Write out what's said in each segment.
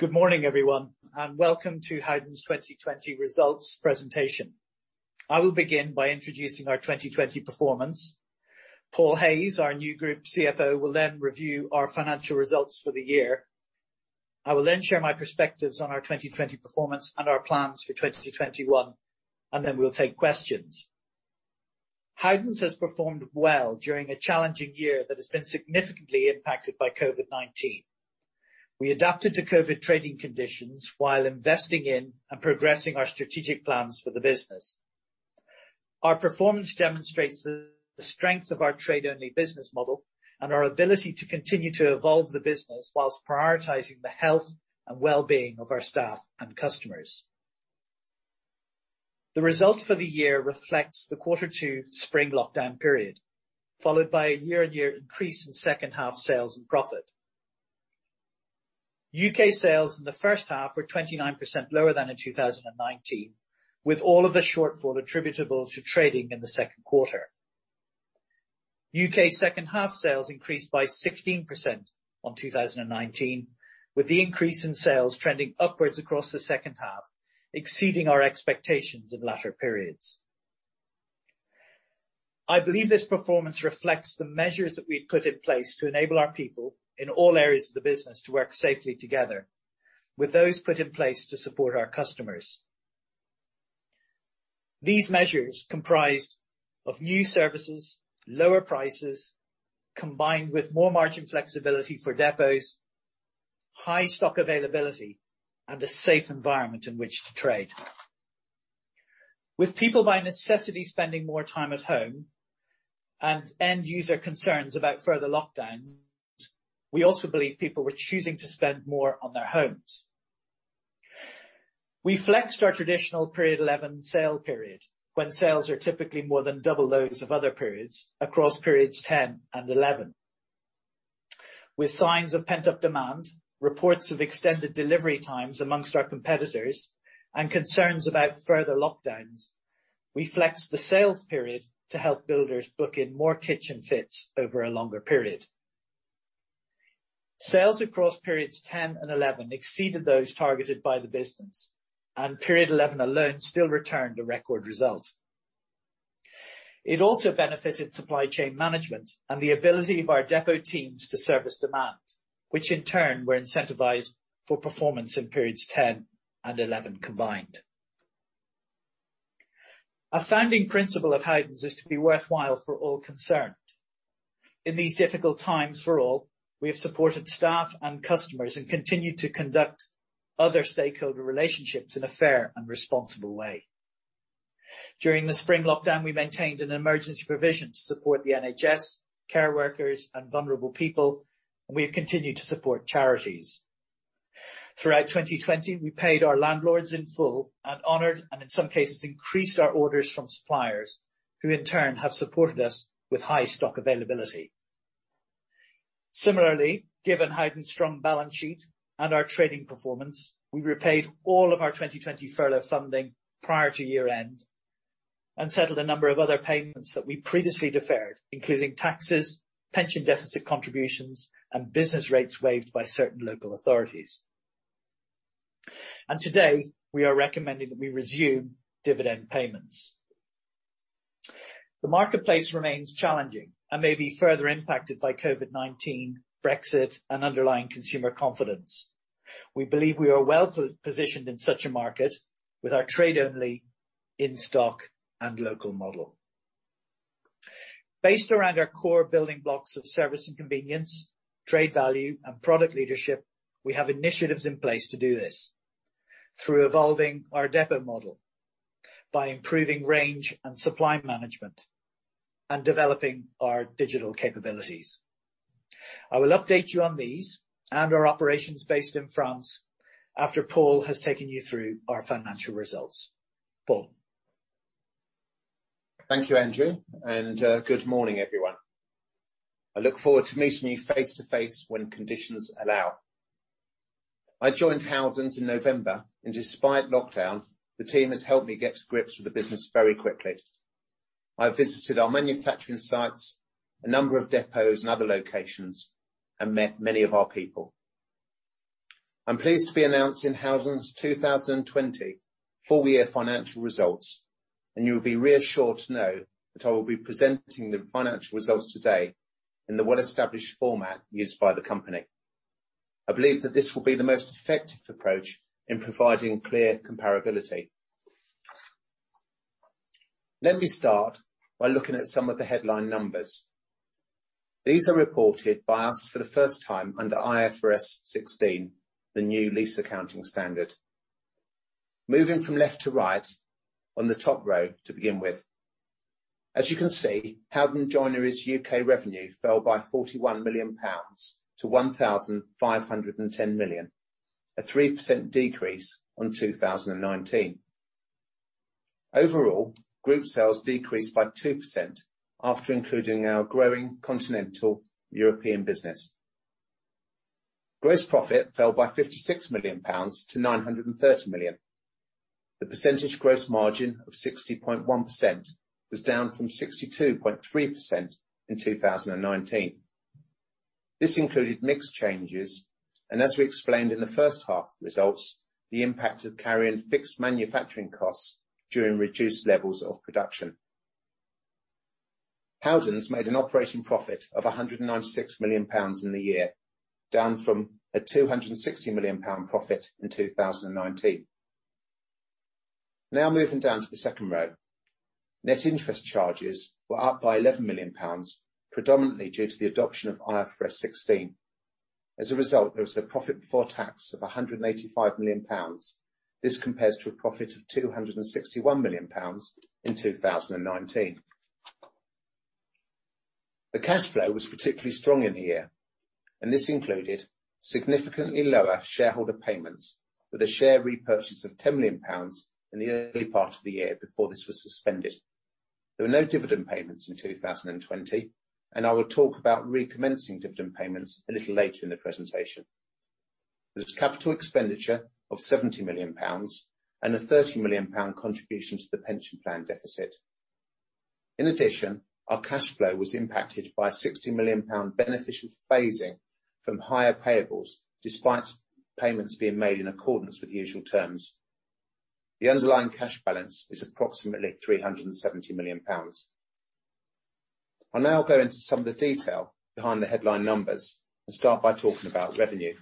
Good morning, everyone, and welcome to Howden's 2020 results presentation. I will begin by introducing our 2020 performance. Paul Hayes, our new Group CFO, will then review our financial results for the year. I will then share my perspectives on our 2020 performance and our plans for 2021. Then we'll take questions. Howden's has performed well during a challenging year that has been significantly impacted by COVID-19. We adapted to COVID trading conditions while investing in and progressing our strategic plans for the business. Our performance demonstrates the strength of our trade-only business model and our ability to continue to evolve the business while prioritizing the health and wellbeing of our staff and customers. The result for the year reflects the Quarter 2 spring lockdown period, followed by a year-on-year increase in second half sales and profit. U.K. sales in the first half were 29% lower than in 2019, with all of the shortfall attributable to trading in the second quarter. U.K. second half sales increased by 16% on 2019, with the increase in sales trending upwards across the second half, exceeding our expectations in latter periods. I believe this performance reflects the measures that we've put in place to enable our people in all areas of the business to work safely together with those put in place to support our customers. These measures comprised of new services, lower prices, combined with more margin flexibility for depots, high stock availability, and a safe environment in which to trade. With people by necessity spending more time at home and end user concerns about further lockdowns, we also believe people were choosing to spend more on their homes. We flexed our traditional Period 11 sale period, when sales are typically more than double those of other periods across Periods 10 and 11. With signs of pent-up demand, reports of extended delivery times amongst our competitors, and concerns about further lockdowns, we flexed the sales period to help builders book in more kitchen fits over a longer period. Sales across Periods 10 and 11 exceeded those targeted by the business, and Period 11 alone still returned a record result. It also benefited supply chain management and the ability of our depot teams to service demand, which in turn were incentivized for performance in Periods 10 and 11 combined. A founding principle of Howden's is to be worthwhile for all concerned. In these difficult times for all, we have supported staff and customers and continued to conduct other stakeholder relationships in a fair and responsible way. During the spring lockdown, we maintained an emergency provision to support the NHS, care workers, and vulnerable people, and we have continued to support charities. Throughout 2020, we paid our landlords in full and honored, and in some cases, increased our orders from suppliers, who in turn have supported us with high stock availability. Similarly, given Howden's strong balance sheet and our trading performance, we repaid all of our 2020 furlough funding prior to year-end and settled a number of other payments that we previously deferred, including taxes, pension deficit contributions, and business rates waived by certain local authorities. Today, we are recommending that we resume dividend payments. The marketplace remains challenging and may be further impacted by COVID-19, Brexit, and underlying consumer confidence. We believe we are well positioned in such a market with our trade only in-stock and local model. Based around our core building blocks of service and convenience, trade value, and product leadership, we have initiatives in place to do this through evolving our depot model by improving range and supply management and developing our digital capabilities. I will update you on these and our operations based in France after Paul has taken you through our financial results. Paul. Thank you, Andrew. Good morning, everyone. I look forward to meeting you face-to-face when conditions allow. I joined Howden's in November. Despite lockdown, the team has helped me get to grips with the business very quickly. I have visited our manufacturing sites, a number of depots and other locations, and met many of our people. I'm pleased to be announcing Howden's 2020 full year financial results. You will be reassured to know that I will be presenting the financial results today in the well-established format used by the company. I believe that this will be the most effective approach in providing clear comparability. Let me start by looking at some of the headline numbers. These are reported by us for the first time under IFRS 16, the new lease accounting standard. Moving from left to right on the top row to begin with. As you can see, Howden Joinery's U.K. revenue fell by 41 million-1,510 million pounds, a 3% decrease on 2019. Overall, group sales decreased by 2% after including our growing continental European business. Gross profit fell by 56 million-930 million pounds. The percentage gross margin of 60.1% was down from 62.3% in 2019. This included mix changes, and as we explained in the first half results, the impact of carrying fixed manufacturing costs during reduced levels of production. Howden has made an operating profit of 196 million pounds in the year, down from a 260 million pound profit in 2019. Now moving down to the second row. Net interest charges were up by 11 million pounds, predominantly due to the adoption of IFRS 16. As a result, there was a profit before tax of 185 million pounds. This compares to a profit of 261 million pounds in 2019. The cash flow was particularly strong in the year, and this included significantly lower shareholder payments with a share repurchase of 10 million pounds in the early part of the year before this was suspended. There were no dividend payments in 2020, and I will talk about recommencing dividend payments a little later in the presentation. There was capital expenditure of 70 million pounds and a 30 million pound contribution to the pension plan deficit. In addition, our cash flow was impacted by a 60 million pound beneficial phasing from higher payables, despite payments being made in accordance with usual terms. The underlying cash balance is approximately 370 million pounds. I'll now go into some of the detail behind the headline numbers and start by talking about revenue.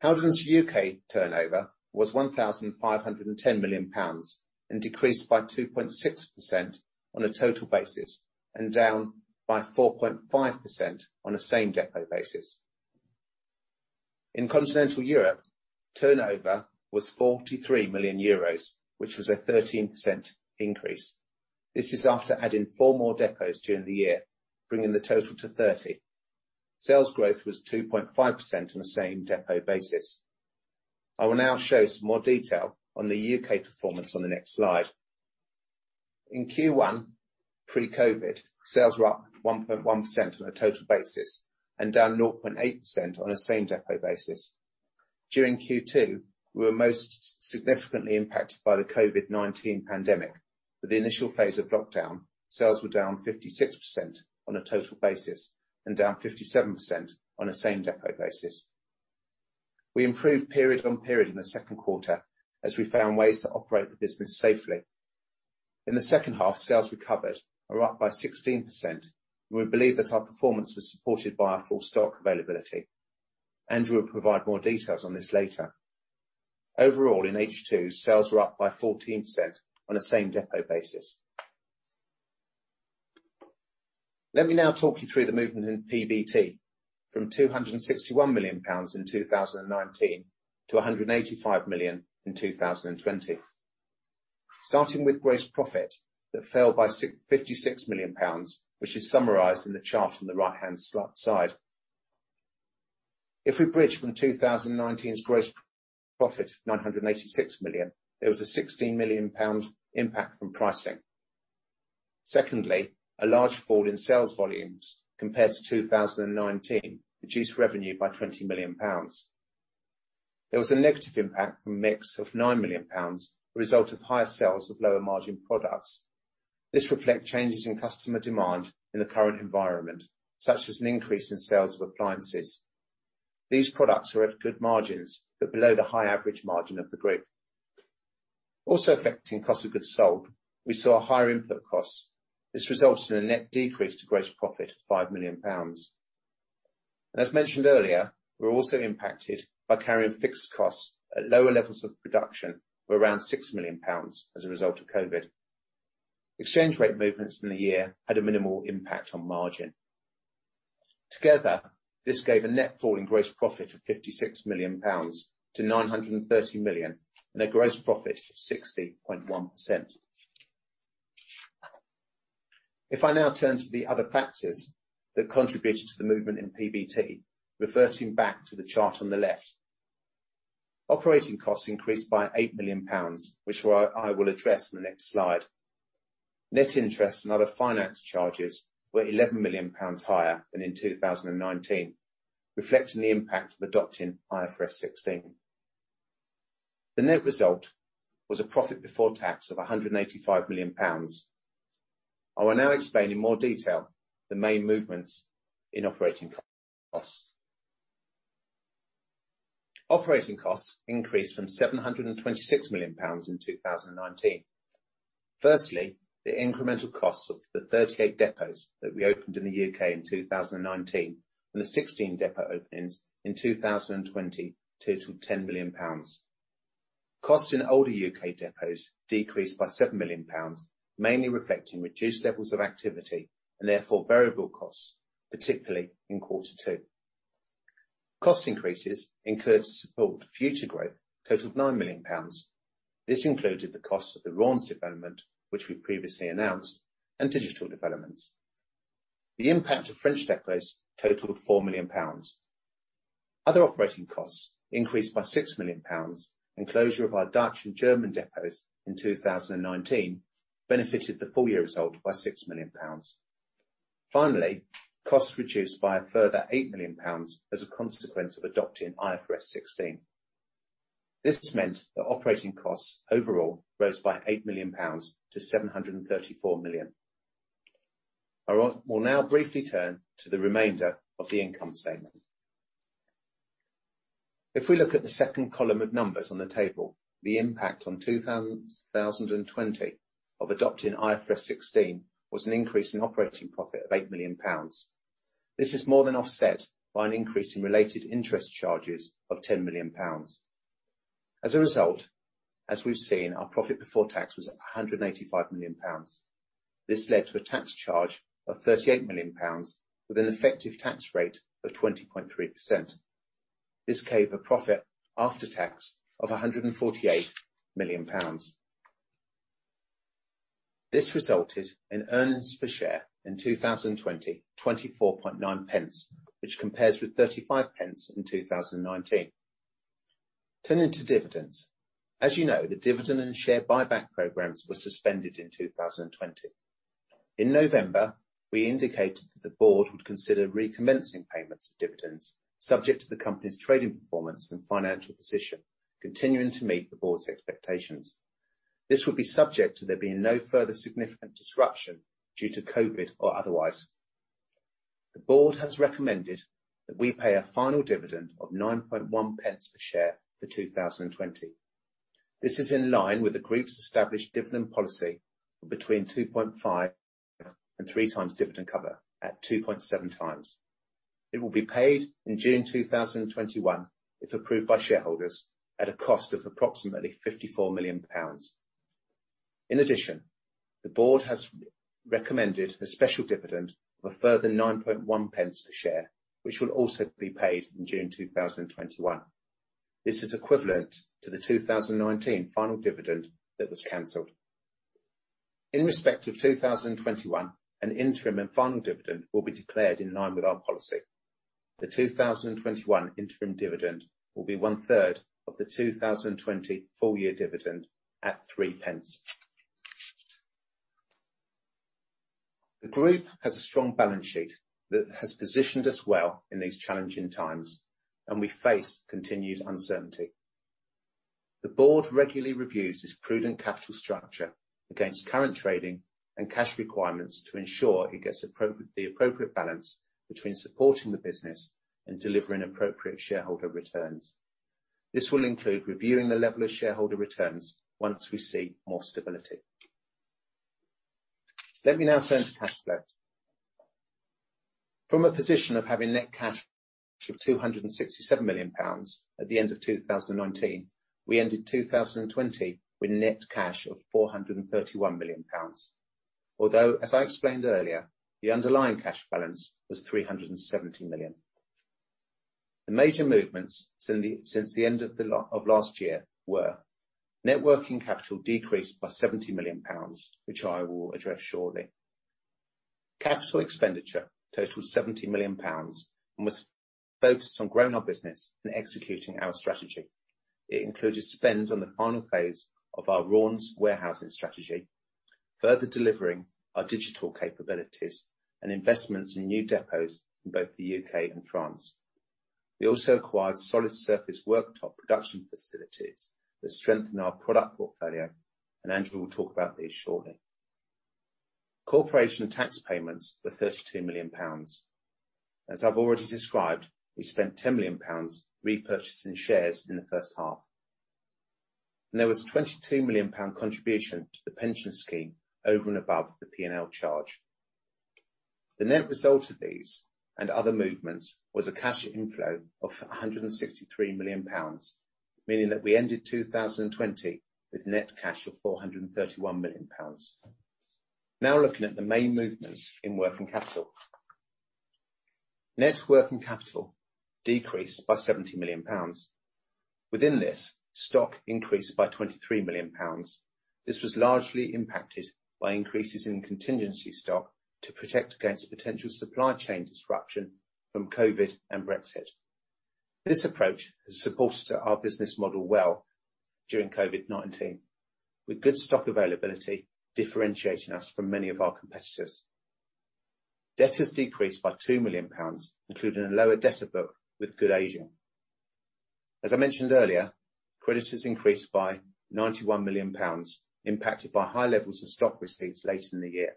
Howden's U.K. turnover was 1,510 million pounds and decreased by 2.6% on a total basis and down by 4.5% on a same depot basis. In continental Europe, turnover was 43 million euros, which was a 13% increase. This is after adding four more depots during the year, bringing the total to 30. Sales growth was 2.5% on a same depot basis. I will now show some more detail on the U.K. performance on the next slide. In Q1 pre-COVID-19, sales were up 1.1% on a total basis and down 0.8% on a same depot basis. During Q2, we were most significantly impacted by the COVID-19 pandemic. With the initial phase of lockdown, sales were down 56% on a total basis and down 57% on a same depot basis. We improved period on period in the second quarter as we found ways to operate the business safely. In the second half, sales recovered, are up by 16%, and we believe that our performance was supported by our full stock availability. Andrew will provide more details on this later. Overall, in H2, sales were up by 14% on a same depot basis. Let me now talk you through the movement in PBT from 261 million pounds in 2019 to 185 million in 2020. Starting with gross profit, that fell by 56 million pounds, which is summarized in the chart on the right-hand side. If we bridge from 2019's gross profit of 986 million, there was a 16 million pound impact from pricing. Secondly, a large fall in sales volumes compared to 2019 reduced revenue by GBP 20 million. There was a negative impact from mix of 9 million pounds, a result of higher sales of lower margin products. This reflect changes in customer demand in the current environment, such as an increase in sales of appliances. These products were at good margins, but below the high average margin of the group. Also affecting cost of goods sold, we saw higher input costs. This resulted in a net decrease to gross profit of 5 million pounds. As mentioned earlier, we were also impacted by carrying fixed costs at lower levels of production of around 6 million pounds as a result of COVID. Exchange rate movements in the year had a minimal impact on margin. Together, this gave a net fall in gross profit of 56 million-930 million pounds and a gross profit of 60.1%. If I now turn to the other factors that contributed to the movement in PBT, reverting back to the chart on the left. Operating costs increased by 8 million pounds, which I will address on the next slide. Net interest and other finance charges were 11 million pounds higher than in 2019, reflecting the impact of adopting IFRS 16. The net result was a profit before tax of 185 million pounds. I will now explain in more detail the main movements in operating costs. Operating costs increased from 726 million pounds in 2019. The incremental costs of the 38 depots that we opened in the U.K. in 2019 and the 16 depot openings in 2020 totaled 10 million pounds. Costs in older U.K. depots decreased by 7 million pounds, mainly reflecting reduced levels of activity and therefore variable costs, particularly in quarter two. Cost increases incurred to support future growth totaled 9 million pounds. This included the costs of the Rotherhams development, which we previously announced, and digital developments. The impact of French depots totaled 4 million pounds. Other operating costs increased by 6 million pounds, and closure of our Dutch and German depots in 2019 benefited the full year result by 6 million pounds. Finally, costs reduced by a further 8 million pounds as a consequence of adopting IFRS 16. This has meant that operating costs overall rose by 8 million-734 million pounds. I will now briefly turn to the remainder of the income statement. If we look at the second column of numbers on the table, the impact on 2020 of adopting IFRS 16 was an increase in operating profit of 8 million pounds. This is more than offset by an increase in related interest charges of 10 million pounds. As a result, as you know, our profit before tax was at 185 million pounds. This led to a tax charge of 38 million pounds with an effective tax rate of 20.3%. This gave a profit after tax of 148 million pounds. This resulted in earnings per share in 2020, 0.249, which compares with 0.35 in 2019. Turning to dividends. As you know, the dividend and share buyback programs were suspended in 2020. In November, we indicated that the board would consider recommencing payments of dividends subject to the company's trading performance and financial position continuing to meet the board's expectations. This would be subject to there being no further significant disruption due to COVID or otherwise. The board has recommended that we pay a final dividend of 0.091 per share for 2020. This is in line with the group's established dividend policy between 2.5 and three times dividend cover at 2.7 times. It will be paid in June 2021 if approved by shareholders at a cost of approximately 54 million pounds. The board has recommended a special dividend of a further 0.091 per share, which will also be paid in June 2021. This is equivalent to the 2019 final dividend that was canceled. In respect of 2021, an interim and final dividend will be declared in line with our policy. The 2021 interim dividend will be one-third of the 2020 full year dividend at 0.03. The Group has a strong balance sheet that has positioned us well in these challenging times, and we face continued uncertainty. The Board regularly reviews its prudent capital structure against current trading and cash requirements to ensure it gets the appropriate balance between supporting the business and delivering appropriate shareholder returns. This will include reviewing the level of shareholder returns once we see more stability. Let me now turn to cash flow. From a position of having net cash of 267 million pounds at the end of 2019, we ended 2020 with net cash of 431 million pounds. As I explained earlier, the underlying cash balance was 370 million. The major movements since the end of last year were net working capital decreased by 70 million pounds, which I will address shortly. Capital expenditure totaled 70 million pounds and was focused on growing our business and executing our strategy. It included spend on the final phase of our Raunds warehousing strategy, further delivering our digital capabilities and investments in new depots in both the U.K. and France. We also acquired solid surface worktop production facilities that strengthen our product portfolio. Andrew will talk about these shortly. Corporation tax payments were 32 million pounds. As I've already described, we spent 10 million pounds repurchasing shares in the first half. There was a 22 million pound contribution to the pension scheme over and above the P&L charge. The net result of these and other movements was a cash inflow of 163 million pounds, meaning that we ended 2020 with net cash of 431 million pounds. Looking at the main movements in working capital. Net working capital decreased by 70 million pounds. Within this, stock increased by 23 million pounds. This was largely impacted by increases in contingency stock to protect against potential supply chain disruption from COVID and Brexit. This approach has supported our business model well during COVID-19, with good stock availability differentiating us from many of our competitors. Debt has decreased by 2 million pounds, including a lower debtor book with good aging. As I mentioned earlier, creditors increased by 91 million pounds, impacted by high levels of stock receipts later in the year.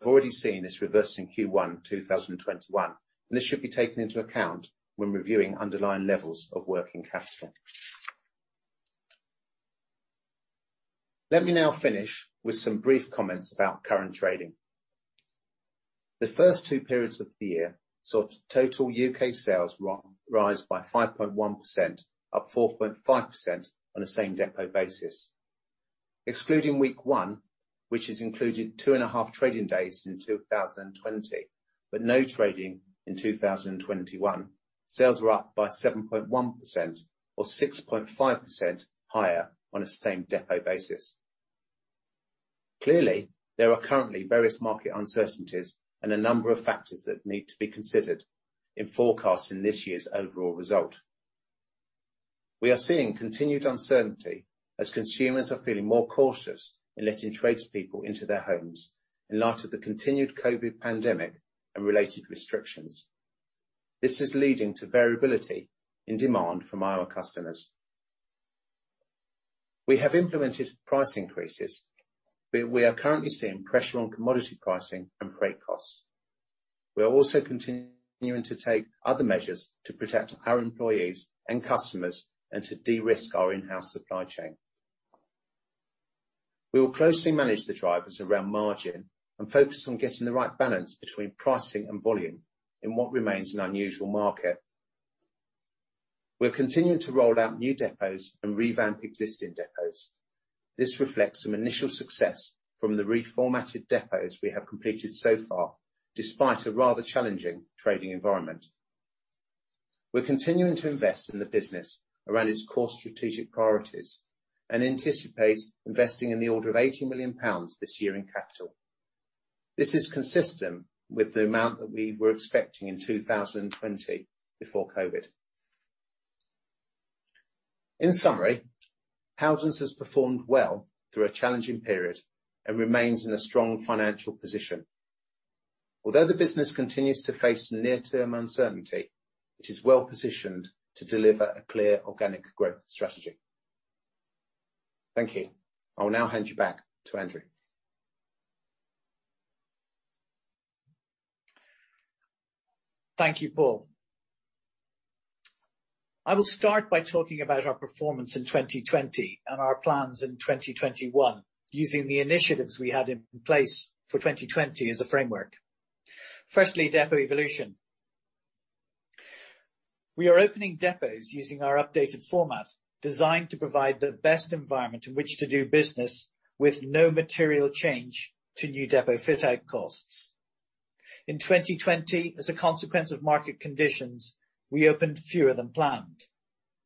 We have already seen this reverse in Q1 2021, and this should be taken into account when reviewing underlying levels of working capital. Let me now finish with some brief comments about current trading. The first two periods of the year saw total U.K. sales rise by 5.1%, up 4.5% on a same depot basis. Excluding week one, which has included two and a half trading days in 2020, but no trading in 2021, sales were up by 7.1% or 6.5% higher on a same depot basis. Clearly, there are currently various market uncertainties and a number of factors that need to be considered in forecasting this year's overall result. We are seeing continued uncertainty as consumers are feeling more cautious in letting tradespeople into their homes in light of the continued COVID-19 pandemic and related restrictions. This is leading to variability in demand from our customers. We have implemented price increases, but we are currently seeing pressure on commodity pricing and freight costs. We are also continuing to take other measures to protect our employees and customers and to de-risk our in-house supply chain. We will closely manage the drivers around margin and focus on getting the right balance between pricing and volume in what remains an unusual market. We're continuing to roll out new depots and revamp existing depots. This reflects some initial success from the reformatted depots we have completed so far, despite a rather challenging trading environment. We're continuing to invest in the business around its core strategic priorities and anticipate investing in the order of 80 million pounds this year in capital. This is consistent with the amount that we were expecting in 2020 before COVID. In summary, Howden's has performed well through a challenging period and remains in a strong financial position. Although the business continues to face near term uncertainty, it is well positioned to deliver a clear organic growth strategy. Thank you. I will now hand you back to Andrew. Thank you, Paul. I will start by talking about our performance in 2020 and our plans in 2021 using the initiatives we had in place for 2020 as a framework. Firstly, depot evolution. We are opening depots using our updated format designed to provide the best environment in which to do business with no material change to new depot fit out costs. In 2020, as a consequence of market conditions, we opened fewer than planned.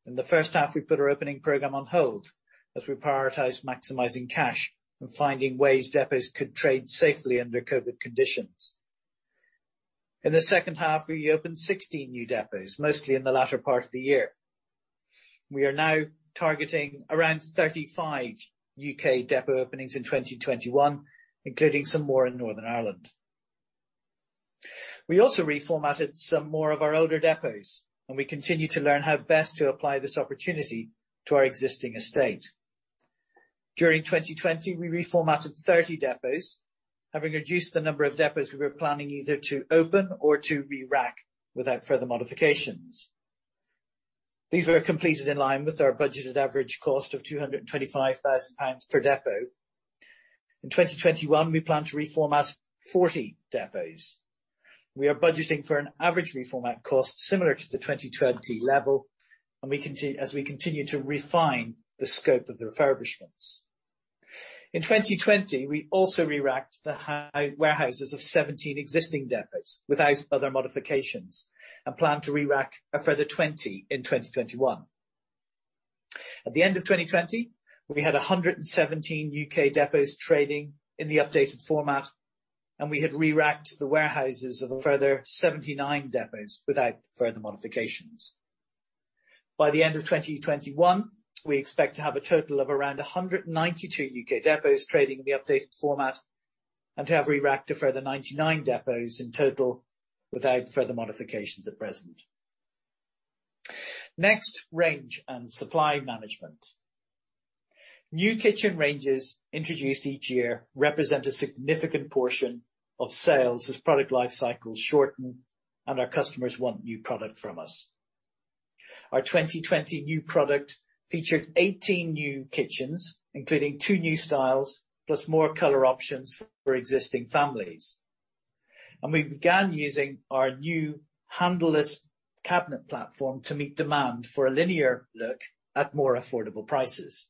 In the first half, we put our opening program on hold as we prioritized maximizing cash and finding ways depots could trade safely under COVID conditions. In the second half, we opened 16 new depots, mostly in the latter part of the year. We are now targeting around 35 U.K. depot openings in 2021, including some more in Northern Ireland. We also reformatted some more of our older depots. We continue to learn how best to apply this opportunity to our existing estate. During 2020, we reformatted 30 depots, having reduced the number of depots we were planning either to open or to re-rack without further modifications. These were completed in line with our budgeted average cost of 225,000 pounds per depot. In 2021, we plan to reformat 40 depots. We are budgeting for an average reformat cost similar to the 2020 level as we continue to refine the scope of the refurbishments. In 2020, we also re-racked the warehouses of 17 existing depots without other modifications and plan to re-rack a further 20 in 2021. At the end of 2020, we had 117 U.K. depots trading in the updated format. We had re-racked the warehouses of a further 79 depots without further modifications. By the end of 2021, we expect to have a total of around 192 U.K. depots trading in the updated format and to have re-racked a further 99 depots in total without further modifications at present. Range and supply management. New kitchen ranges introduced each year represent a significant portion of sales as product life cycles shorten and our customers want new product from us. Our 2020 new product featured 18 new kitchens, including two new styles, plus more color options for existing families. We began using our new handleless cabinet platform to meet demand for a linear look at more affordable prices.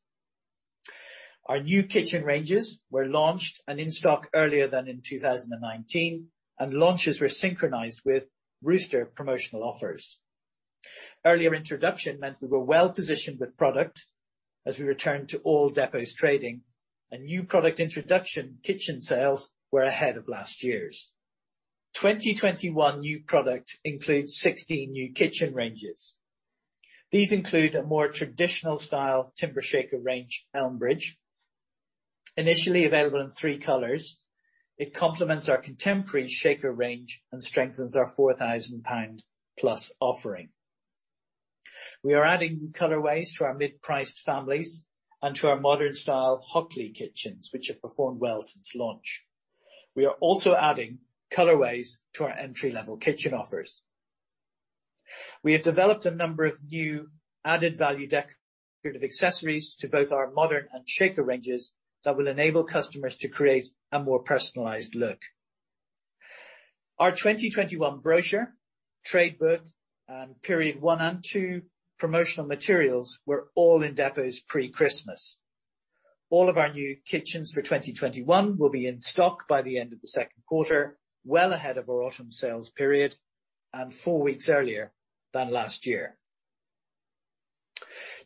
Our new kitchen ranges were launched and in stock earlier than in 2019, and launches were synchronized with rooster promotional offers. Earlier introduction meant we were well-positioned with product as we returned to all depots trading, and new product introduction kitchen sales were ahead of last year's. 2021 new product includes 16 new kitchen ranges. These include a more traditional style timber shaker range, Elmbridge. Initially available in three colors, it complements our contemporary shaker range and strengthens our 4,000 pound plus offering. We are adding colorways to our mid-priced families and to our modern style Hockley kitchens, which have performed well since launch. We are also adding colorways to our entry-level kitchen offers. We have developed a number of new added value decorative accessories to both our modern and shaker ranges that will enable customers to create a more personalized look. Our 2021 brochure, trade book, and period one and two promotional materials were all in depots pre-Christmas. All of our new kitchens for 2021 will be in stock by the end of the second quarter, well ahead of our autumn sales period, and four weeks earlier than last year.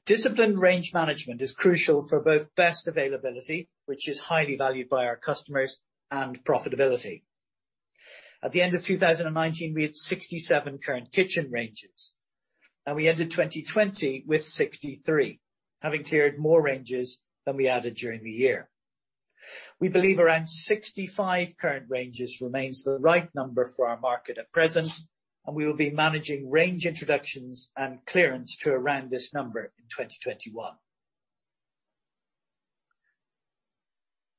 Disciplined range management is crucial for both best availability, which is highly valued by our customers, and profitability. At the end of 2019, we had 67 current kitchen ranges, and we ended 2020 with 63, having cleared more ranges than we added during the year. We believe around 65 current ranges remains the right number for our market at present, and we will be managing range introductions and clearance to around this number in 2021.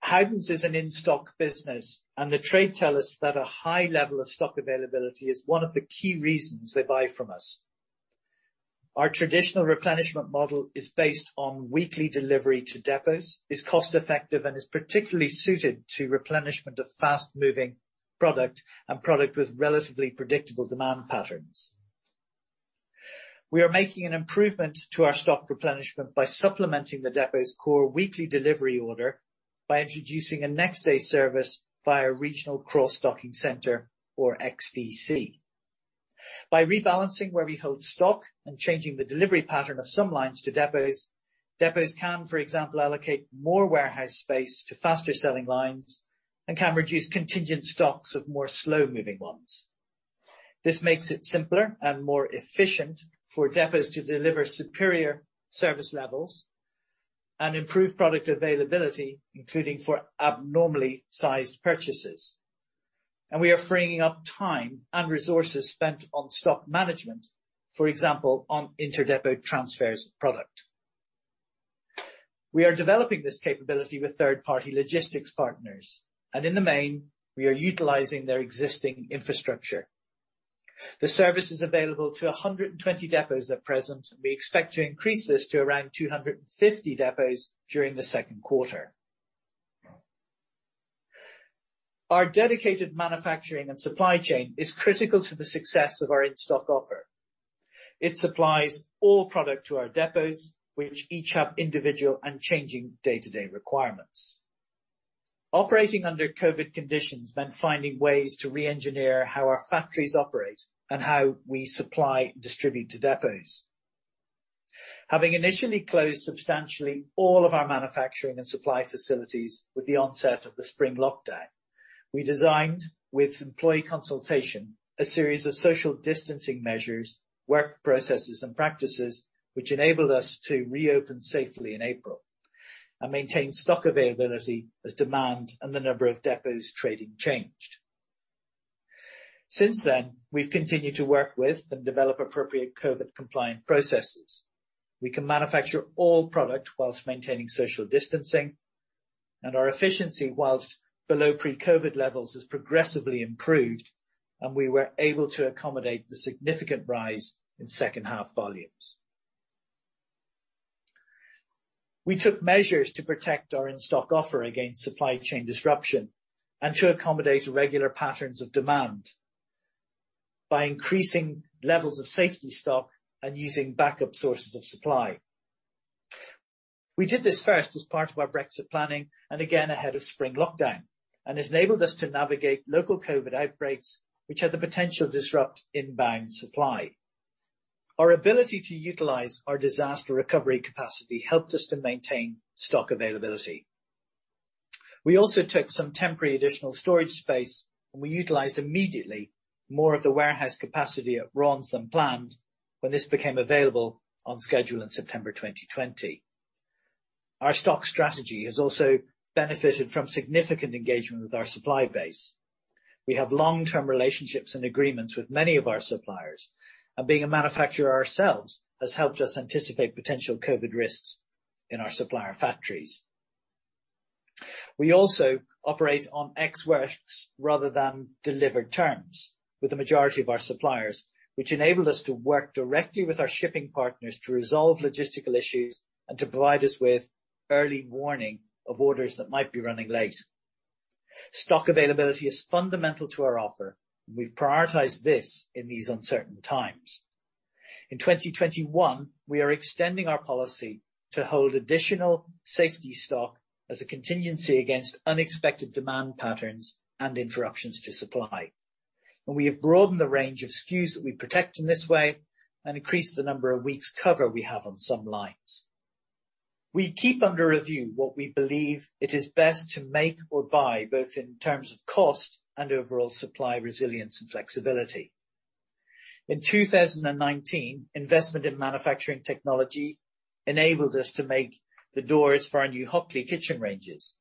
Howdens is an in-stock business, and the trade tell us that a high level of stock availability is one of the key reasons they buy from us. Our traditional replenishment model is based on weekly delivery to depots, is cost-effective, and is particularly suited to replenishment of fast-moving product and product with relatively predictable demand patterns. We are making an improvement to our stock replenishment by supplementing the depot's core weekly delivery order by introducing a next-day service via regional cross-docking center or XDC. By rebalancing where we hold stock and changing the delivery pattern of some lines to depots can, for example, allocate more warehouse space to faster-selling lines and can reduce contingent stocks of more slow-moving ones. This makes it simpler and more efficient for depots to deliver superior service levels and improve product availability, including for abnormally sized purchases. We are freeing up time and resources spent on stock management, for example, on inter-depot transfers product. We are developing this capability with third-party logistics partners, and in the main, we are utilizing their existing infrastructure. The service is available to 120 depots at present. We expect to increase this to around 250 depots during the second quarter. Our dedicated manufacturing and supply chain is critical to the success of our in-stock offer. It supplies all product to our depots, which each have individual and changing day-to-day requirements. Operating under COVID conditions meant finding ways to reengineer how our factories operate and how we supply and distribute to depots. Having initially closed substantially all of our manufacturing and supply facilities with the onset of the spring lockdown, we designed, with employee consultation, a series of social distancing measures, work processes, and practices which enabled us to reopen safely in April and maintain stock availability as demand and the number of depots trading changed. Since then, we've continued to work with and develop appropriate COVID compliant processes. We can manufacture all product whilst maintaining social distancing, and our efficiency, whilst below pre-COVID levels, has progressively improved, and we were able to accommodate the significant rise in second half volumes. We took measures to protect our in-stock offer against supply chain disruption and to accommodate irregular patterns of demand by increasing levels of safety stock and using backup sources of supply. We did this first as part of our Brexit planning and again ahead of spring lockdown and enabled us to navigate local COVID outbreaks which had the potential to disrupt inbound supply. Our ability to utilize our disaster recovery capacity helped us to maintain stock availability. We also took some temporary additional storage space, and we utilized immediately more of the warehouse capacity at Raunds than planned when this became available on schedule in September 2020. Our stock strategy has also benefited from significant engagement with our supply base. We have long-term relationships and agreements with many of our suppliers, and being a manufacturer ourselves has helped us anticipate potential COVID risks in our supplier factories. We also operate on ex works rather than delivered terms with the majority of our suppliers, which enabled us to work directly with our shipping partners to resolve logistical issues and to provide us with early warning of orders that might be running late. Stock availability is fundamental to our offer. We've prioritized this in these uncertain times. In 2021, we are extending our policy to hold additional safety stock as a contingency against unexpected demand patterns and interruptions to supply. We have broadened the range of SKUs that we protect in this way and increased the number of weeks cover we have on some lines. We keep under review what we believe it is best to make or buy, both in terms of cost and overall supply resilience and flexibility. In 2019, investment in manufacturing technology enabled us to make the doors for our new Hockley kitchen ranges.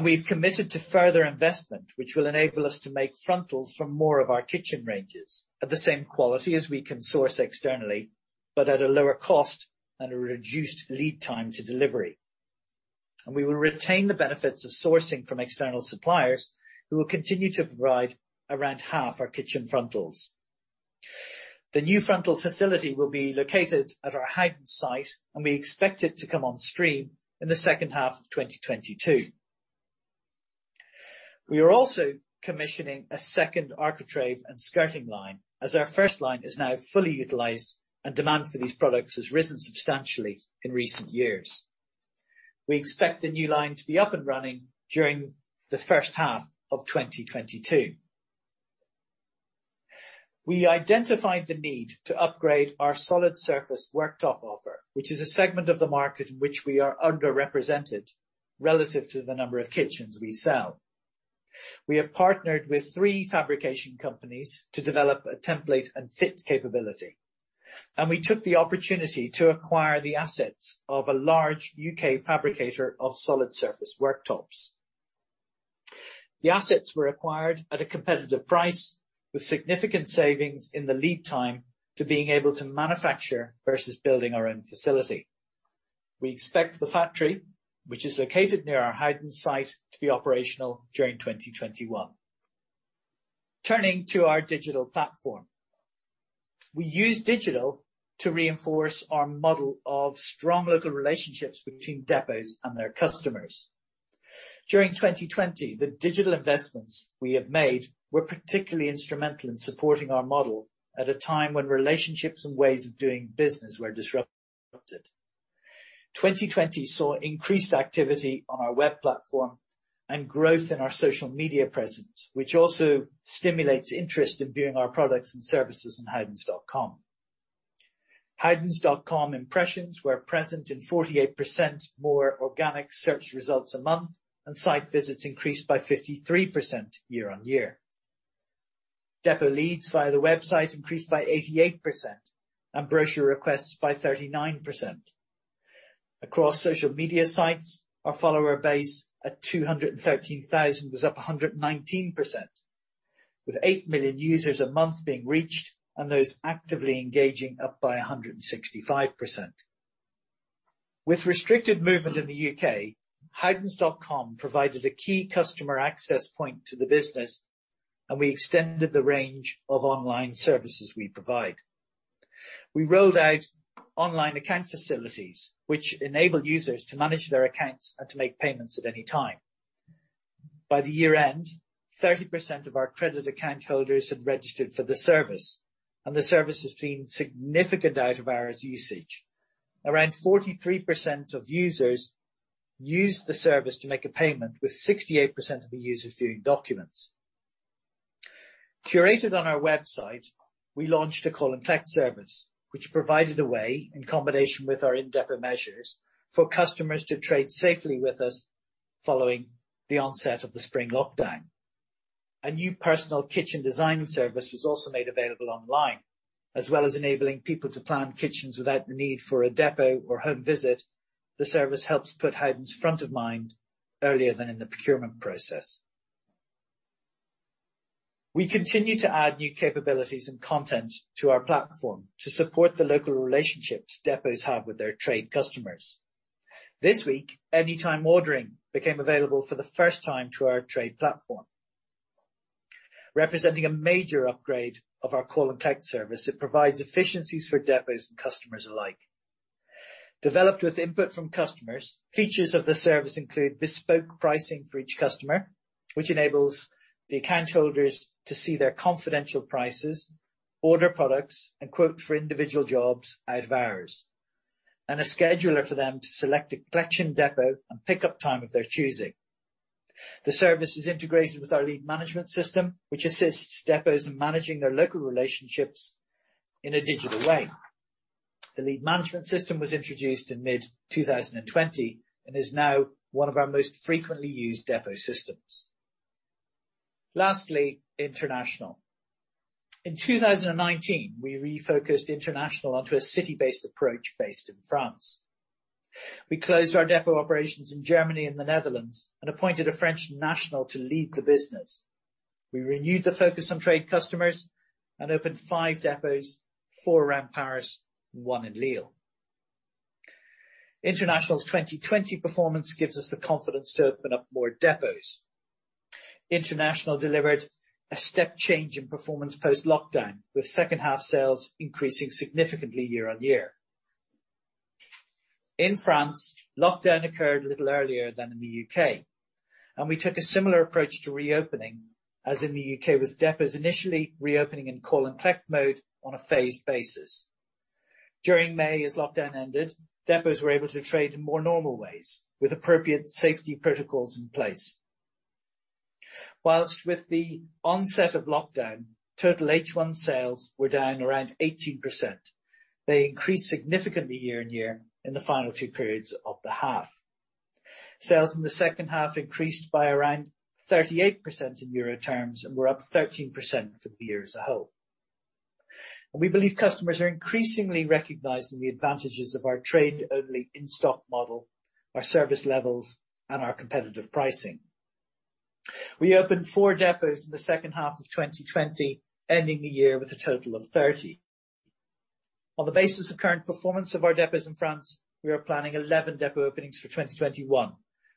We've committed to further investment, which will enable us to make frontals for more of our kitchen ranges at the same quality as we can source externally, but at a lower cost and a reduced lead time to delivery. We will retain the benefits of sourcing from external suppliers who will continue to provide around half our kitchen frontals. The new frontal facility will be located at our Howden site, and we expect it to come on stream in the second half of 2022. We are also commissioning a second architrave and skirting line as our first line is now fully utilized and demand for these products has risen substantially in recent years. We expect the new line to be up and running during the first half of 2022. We identified the need to upgrade our solid surface worktop offer, which is a segment of the market in which we are underrepresented relative to the number of kitchens we sell. We have partnered with three fabrication companies to develop a template and fit capability, and we took the opportunity to acquire the assets of a large U.K. fabricator of solid surface worktops. The assets were acquired at a competitive price with significant savings in the lead time to being able to manufacture versus building our own facility. We expect the factory, which is located near our Howden site, to be operational during 2021. Turning to our digital platform. We use digital to reinforce our model of strong local relationships between depots and their customers. During 2020, the digital investments we have made were particularly instrumental in supporting our model at a time when relationships and ways of doing business were disrupted. 2020 saw increased activity on our web platform and growth in our social media presence, which also stimulates interest in viewing our products and services on howdens.com. howdens.com impressions were present in 48% more organic search results a month, and site visits increased by 53% year on year. Depot leads via the website increased by 88%, and brochure requests by 39%. Across social media sites, our follower base at 213,000 was up 119%, with 8 million users a month being reached, and those actively engaging up by 165%. With restricted movement in the U.K., howdens.com provided a key customer access point to the business, and we extended the range of online services we provide. We rolled out online account facilities, which enable users to manage their accounts and to make payments at any time. By the year-end, 30% of our credit account holders had registered for the service, and the service has seen significant out of hours usage. Around 43% of users use the service to make a payment, with 68% of the users viewing documents. Curated on our website, we launched a call and collect service, which provided a way, in combination with our in depot measures, for customers to trade safely with us following the onset of the spring lockdown. A new personal kitchen design service was also made available online. As well as enabling people to plan kitchens without the need for a depot or home visit, the service helps put Howdens front of mind earlier than in the procurement process. We continue to add new capabilities and content to our platform to support the local relationships depots have with their trade customers. This week, anytime ordering became available for the first time through our trade platform. Representing a major upgrade of our call and collect service, it provides efficiencies for depots and customers alike. Developed with input from customers, features of the service include bespoke pricing for each customer, which enables the account holders to see their confidential prices, order products, and quote for individual jobs out of hours, and a scheduler for them to select a collection depot and pickup time of their choosing. The service is integrated with our lead management system, which assists depots in managing their local relationships in a digital way. The lead management system was introduced in mid-2020 and is now one of our most frequently used depot systems. Lastly, international. In 2019, we refocused international onto a city-based approach based in France. We closed our depot operations in Germany and the Netherlands and appointed a French national to lead the business. We renewed the focus on trade customers and opened five depots, four around Paris and one in Lille. International's 2020 performance gives us the confidence to open up more depots. International delivered a step change in performance post-lockdown, with second-half sales increasing significantly year on year. In France, lockdown occurred a little earlier than in the U.K., and we took a similar approach to reopening as in the U.K., with depots initially reopening in call and collect mode on a phased basis. During May, as lockdown ended, depots were able to trade in more normal ways with appropriate safety protocols in place. Whilst with the onset of lockdown, total H1 sales were down around 18%, they increased significantly year on year in the final two periods of the half. Sales in the second half increased by around 38% in EUR terms and were up 13% for the year as a whole. We believe customers are increasingly recognizing the advantages of our trade only in-stock model, our service levels, and our competitive pricing. We opened four depots in the second half of 2020, ending the year with a total of 30. On the basis of current performance of our depots in France, we are planning 11 depot openings for 2021,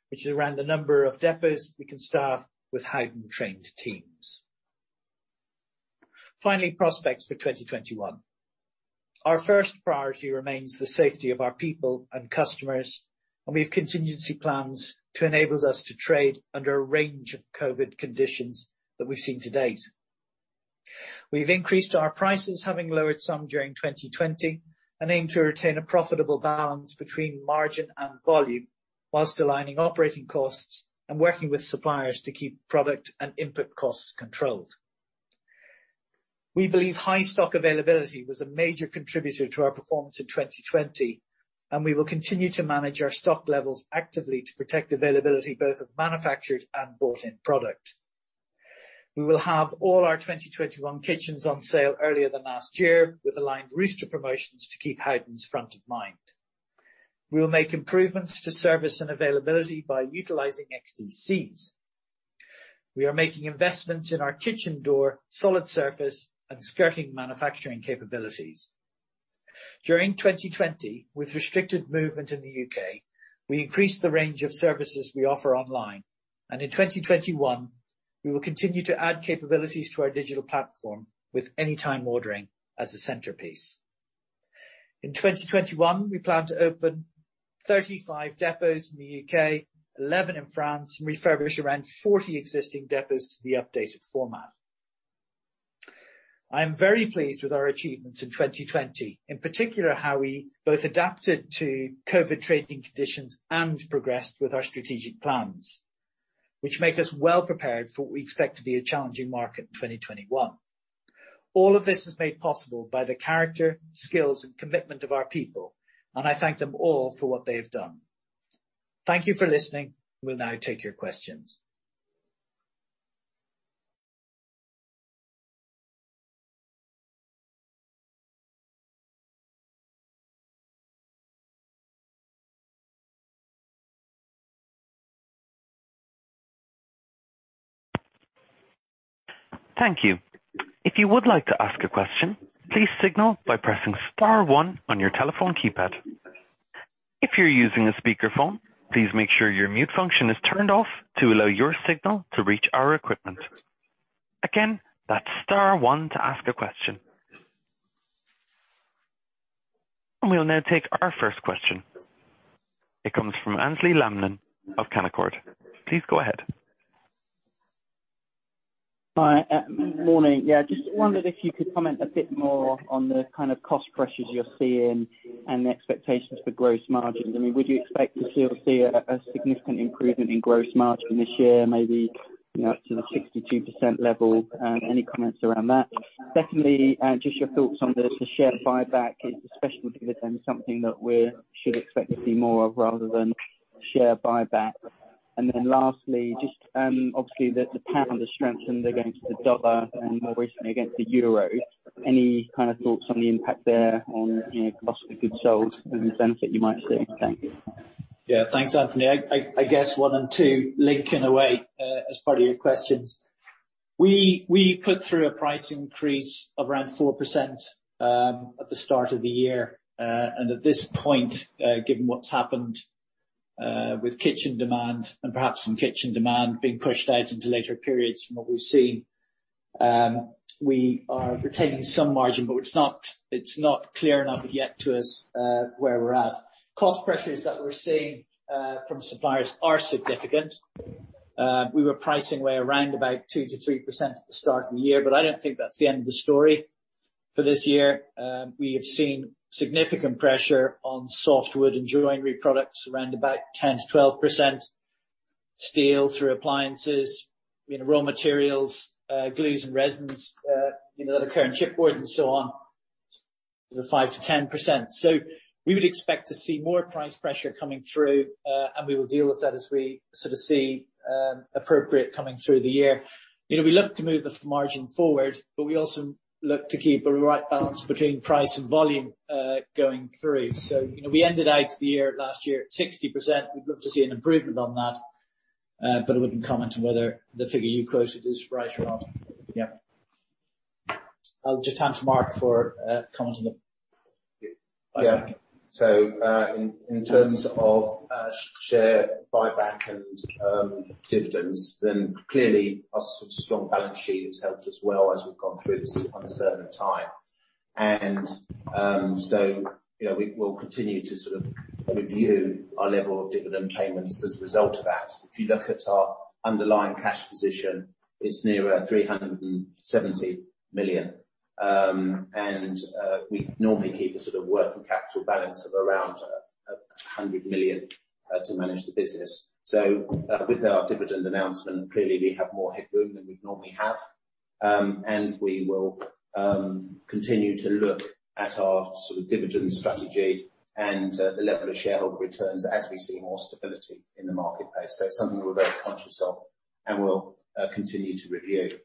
which is around the number of depots we can staff with Howden trained teams. Finally, prospects for 2021. Our first priority remains the safety of our people and customers, and we have contingency plans to enable us to trade under a range of COVID conditions that we've seen to date. We've increased our prices, having lowered some during 2020, and aim to retain a profitable balance between margin and volume whilst aligning operating costs and working with suppliers to keep product and input costs controlled. We believe high stock availability was a major contributor to our performance in 2020, and we will continue to manage our stock levels actively to protect availability, both of manufactured and bought in product. We will have all our 2021 kitchens on sale earlier than last year, with aligned rooster promotions to keep Howden's front of mind. We will make improvements to service and availability by utilizing XDCs. We are making investments in our kitchen door, solid surface, and skirting manufacturing capabilities. During 2020, with restricted movement in the U.K., we increased the range of services we offer online, and in 2021, we will continue to add capabilities to our digital platform with anytime ordering as a centerpiece. In 2021, we plan to open 35 depots in the U.K., 11 in France, and refurbish around 40 existing depots to the updated format. I am very pleased with our achievements in 2020, in particular, how we both adapted to COVID trading conditions and progressed with our strategic plans, which make us well prepared for what we expect to be a challenging market in 2021. All of this is made possible by the character, skills, and commitment of our people, and I thank them all for what they have done. Thank you for listening. We will now take your questions. Thank you. If you would like to ask a question, please signal by pressing star one on your telephone keypad. If you're using a speakerphone, please make sure your mute function is turned off to allow your signal to reach our equipment. Again, that's star one to ask a question. We'll now take our first question. It comes from Aynsley Lumsden of Canaccord. Please go ahead. Hi. Morning. Yeah, just wondered if you could comment a bit more on the kind of cost pressures you're seeing and the expectations for gross margins. Would you expect to still see a significant improvement in gross margin this year, maybe up to the 62% level? Any comments around that. Secondly, just your thoughts on the share buyback, especially dividends, something that we should expect to see more of rather than share buyback. Lastly, just obviously the pound has strengthened against the dollar and more recently against the euro. Any kind of thoughts on the impact there on cost of goods sold and the benefit you might see? Thank you. Yeah, thanks, Aynsley. I guess one and two link in a way, as part of your questions. We put through a price increase of around 4% at the start of the year. At this point, given what's happened with kitchen demand and perhaps some kitchen demand being pushed out into later periods from what we've seen, we are retaining some margin, but it's not clear enough yet to us where we're at. Cost pressures that we're seeing from suppliers are significant. We were pricing way around about 2% to 3% at the start of the year, but I don't think that's the end of the story for this year. We have seen significant pressure on softwood and joinery products around about 10%-12%, steel through appliances, raw materials, glues and resins that occur in chipboard and so on, the 5%-10%. We would expect to see more price pressure coming through, and we will deal with that as we sort of see appropriate coming through the year. We look to move the margin forward, but we also look to keep a right balance between price and volume going through. We ended out the year last year at 60%. We'd love to see an improvement on that, but I wouldn't comment on whether the figure you quoted is right or not. Yeah. I'll just hand to Mark for comment on the buyback. Yeah. In terms of share buyback and dividends, then clearly our strong balance sheet has helped as well as we've gone through this uncertain time. We will continue to sort of review our level of dividend payments as a result of that. If you look at our underlying cash position, it's nearer 370 million. We normally keep a sort of working capital balance of around 100 million to manage the business. With our dividend announcement, clearly we have more headroom than we'd normally have. We will continue to look at our dividend strategy and the level of shareholder returns as we see more stability in the marketplace. It's something we're very conscious of and we'll continue to review.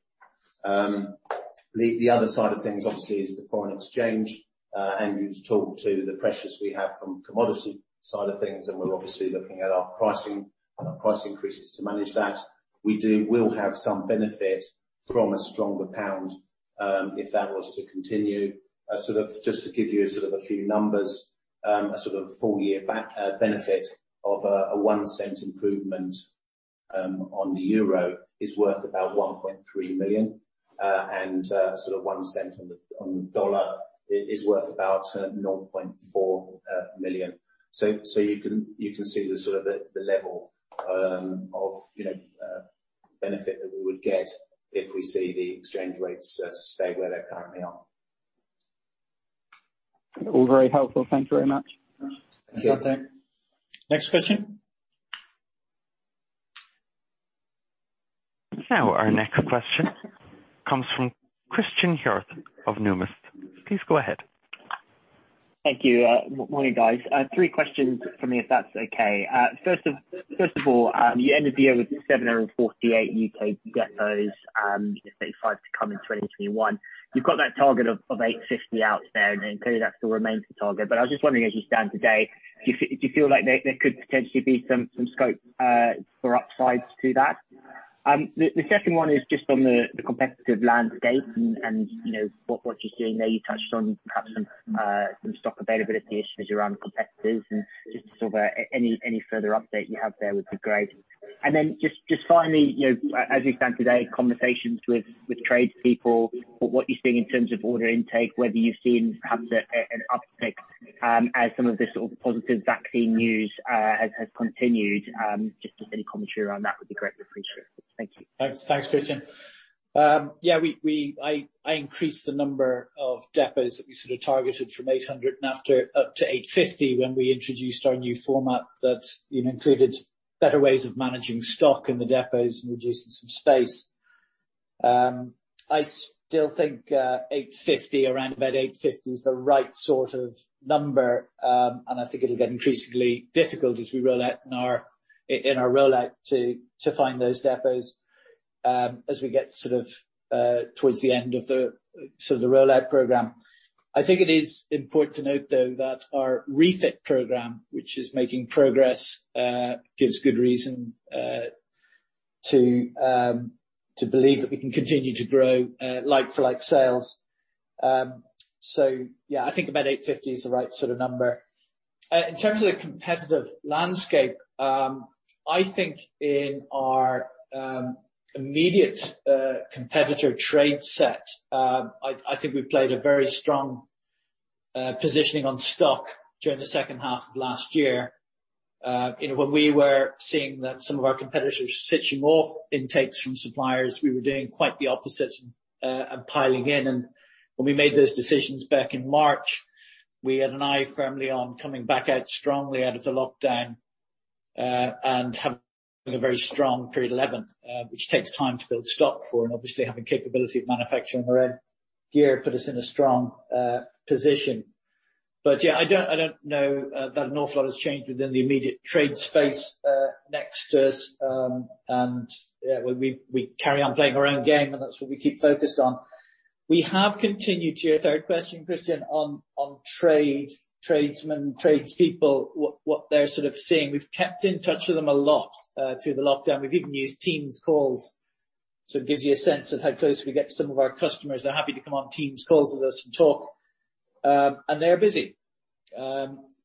The other side of things, obviously, is the foreign exchange. Andrew talked to the pressures we have from commodity side of things, we're obviously looking at our pricing and our price increases to manage that. We will have some benefit from a stronger pound, if that was to continue. Just to give you a few numbers, a sort of full year benefit of a 0.01 improvement on the euro is worth about 1.3 million, a $0.01 on the dollar is worth about 0.4 million. You can see the sort of the level of benefit that we would get if we see the exchange rates stay where they currently are. All very helpful. Thank you very much. Thank you. Next question. Our next question comes from Christen Hjorth of Numis. Please go ahead. Thank you. Morning, guys. Three questions from me, if that's okay. First of all, you ended the year with 748 U.K. depots, with 35 to come in 2021. You've got that target of 850 out there. Clearly that still remains the target. I was just wondering as we stand today, do you feel like there could potentially be some scope for upsides to that? The second one is just on the competitive landscape and what you're seeing there. You touched on, perhaps some stock availability issues around competitors and just any further update you have there would be great. Just finally, as we stand today, conversations with tradespeople, what you're seeing in terms of order intake, whether you've seen perhaps an uptick as some of the positive vaccine news has continued, just any commentary around that would be greatly appreciated. Thank you. Thanks, Christen. I increased the number of depots that we targeted from 800 up to 850 when we introduced our new format that included better ways of managing stock in the depots and reducing some space. I still think around about 850 is the right sort of number, and I think it'll get increasingly difficult as we roll out to find those depots, as we get towards the end of the rollout program. I think it is important to note, though, that our refit program, which is making progress, gives good reason to believe that we can continue to grow like for like sales. Yeah, I think about 850 is the right sort of number. In terms of the competitive landscape, I think in our immediate competitor trade set, I think we played a very strong positioning on stock during the second half of last year. When we were seeing that some of our competitors switching off intakes from suppliers, we were doing quite the opposite and piling in. When we made those decisions back in March, we had an eye firmly on coming back out strongly out of the lockdown and having a very strong period 11, which takes time to build stock for, and obviously having capability of manufacturing our own gear put us in a strong position. Yeah, I don't know that an awful lot has changed within the immediate trade space next to us. We carry on playing our own game, and that's what we keep focused on. We have continued, to your third question, Christen, on tradesmen, tradespeople, what they're sort of seeing. We've kept in touch with them a lot through the lockdown. We've even used Teams calls, so it gives you a sense of how close we get to some of our customers. They're happy to come on Teams calls with us and talk. They are busy.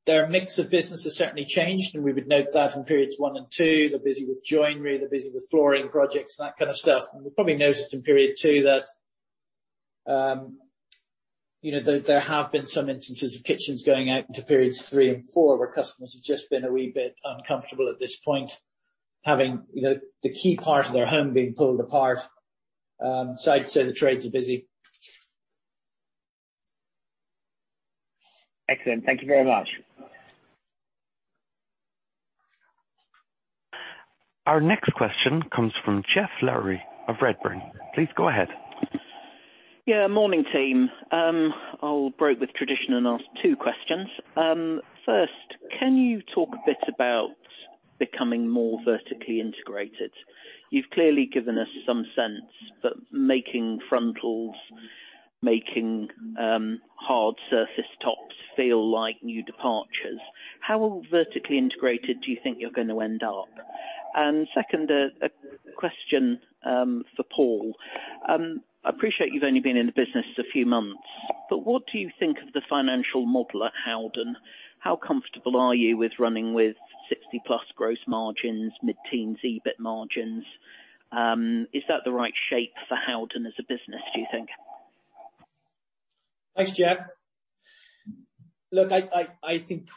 Their mix of business has certainly changed, and we would note that from periods one and two. They're busy with joinery, they're busy with flooring projects, and that kind of stuff. We probably noticed in period two that there have been some instances of kitchens going out into periods three and four, where customers have just been a wee bit uncomfortable at this point, having the key part of their home being pulled apart. I'd say the trades are busy. Excellent. Thank you very much. Our next question comes from Geoff Lowery of Redburn. Please go ahead. Morning team. I'll break with tradition and ask two questions. First, can you talk a bit about becoming more vertically integrated? You've clearly given us some sense, but making frontals, making hard surface tops feel like new departures. How vertically integrated do you think you're going to end up? Second, a question for Paul. I appreciate you've only been in the business a few months, but what do you think of the financial model at Howden? How comfortable are you with running with 60+ gross margins, mid-teens EBIT margins? Is that the right shape for Howden as a business, do you think? Thanks, Geoff. I think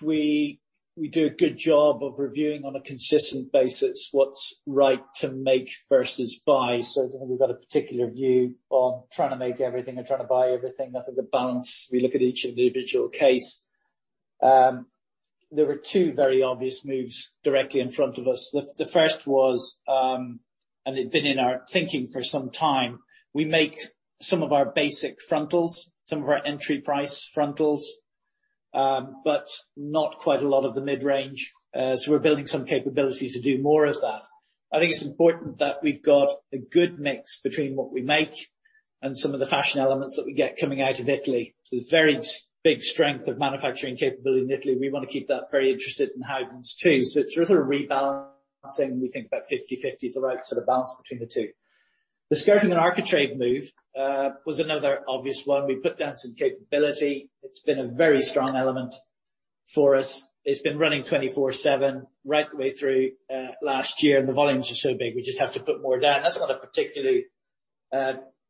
we do a good job of reviewing on a consistent basis what's right to make versus buy. I don't think we've got a particular view on trying to make everything or trying to buy everything. I think the balance, we look at each individual case. There were two very obvious moves directly in front of us. The first was, and it had been in our thinking for some time, we make some of our basic frontals, some of our entry price frontals, but not quite a lot of the mid-range. We're building some capability to do more of that. I think it's important that we've got a good mix between what we make and some of the fashion elements that we get coming out of Italy. There's a very big strength of manufacturing capability in Italy. We want to keep that very interested in Howden too. It's a rebalancing. We think about 50/50 is the right sort of balance between the two. The skirting and architrave move was another obvious one. We put down some capability. It's been a very strong element for us. It's been running 24/7 right the way through last year, and the volumes are so big, we just have to put more down. That's not a particularly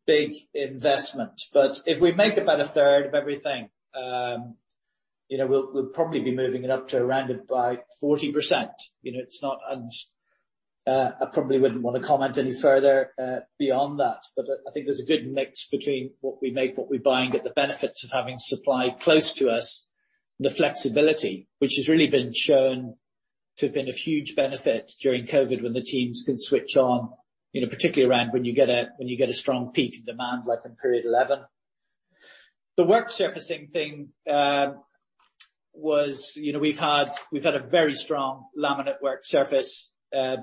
big investment. If we make about a third of everything, we'll probably be moving it up to around about 40%. I probably wouldn't want to comment any further beyond that. I think there's a good mix between what we make, what we buy, and get the benefits of having supply close to us, and the flexibility, which has really been shown to have been a huge benefit during COVID when the teams can switch on, particularly around when you get a strong peak in demand, like in period 11. The work surfacing thing, we've had a very strong laminate work surface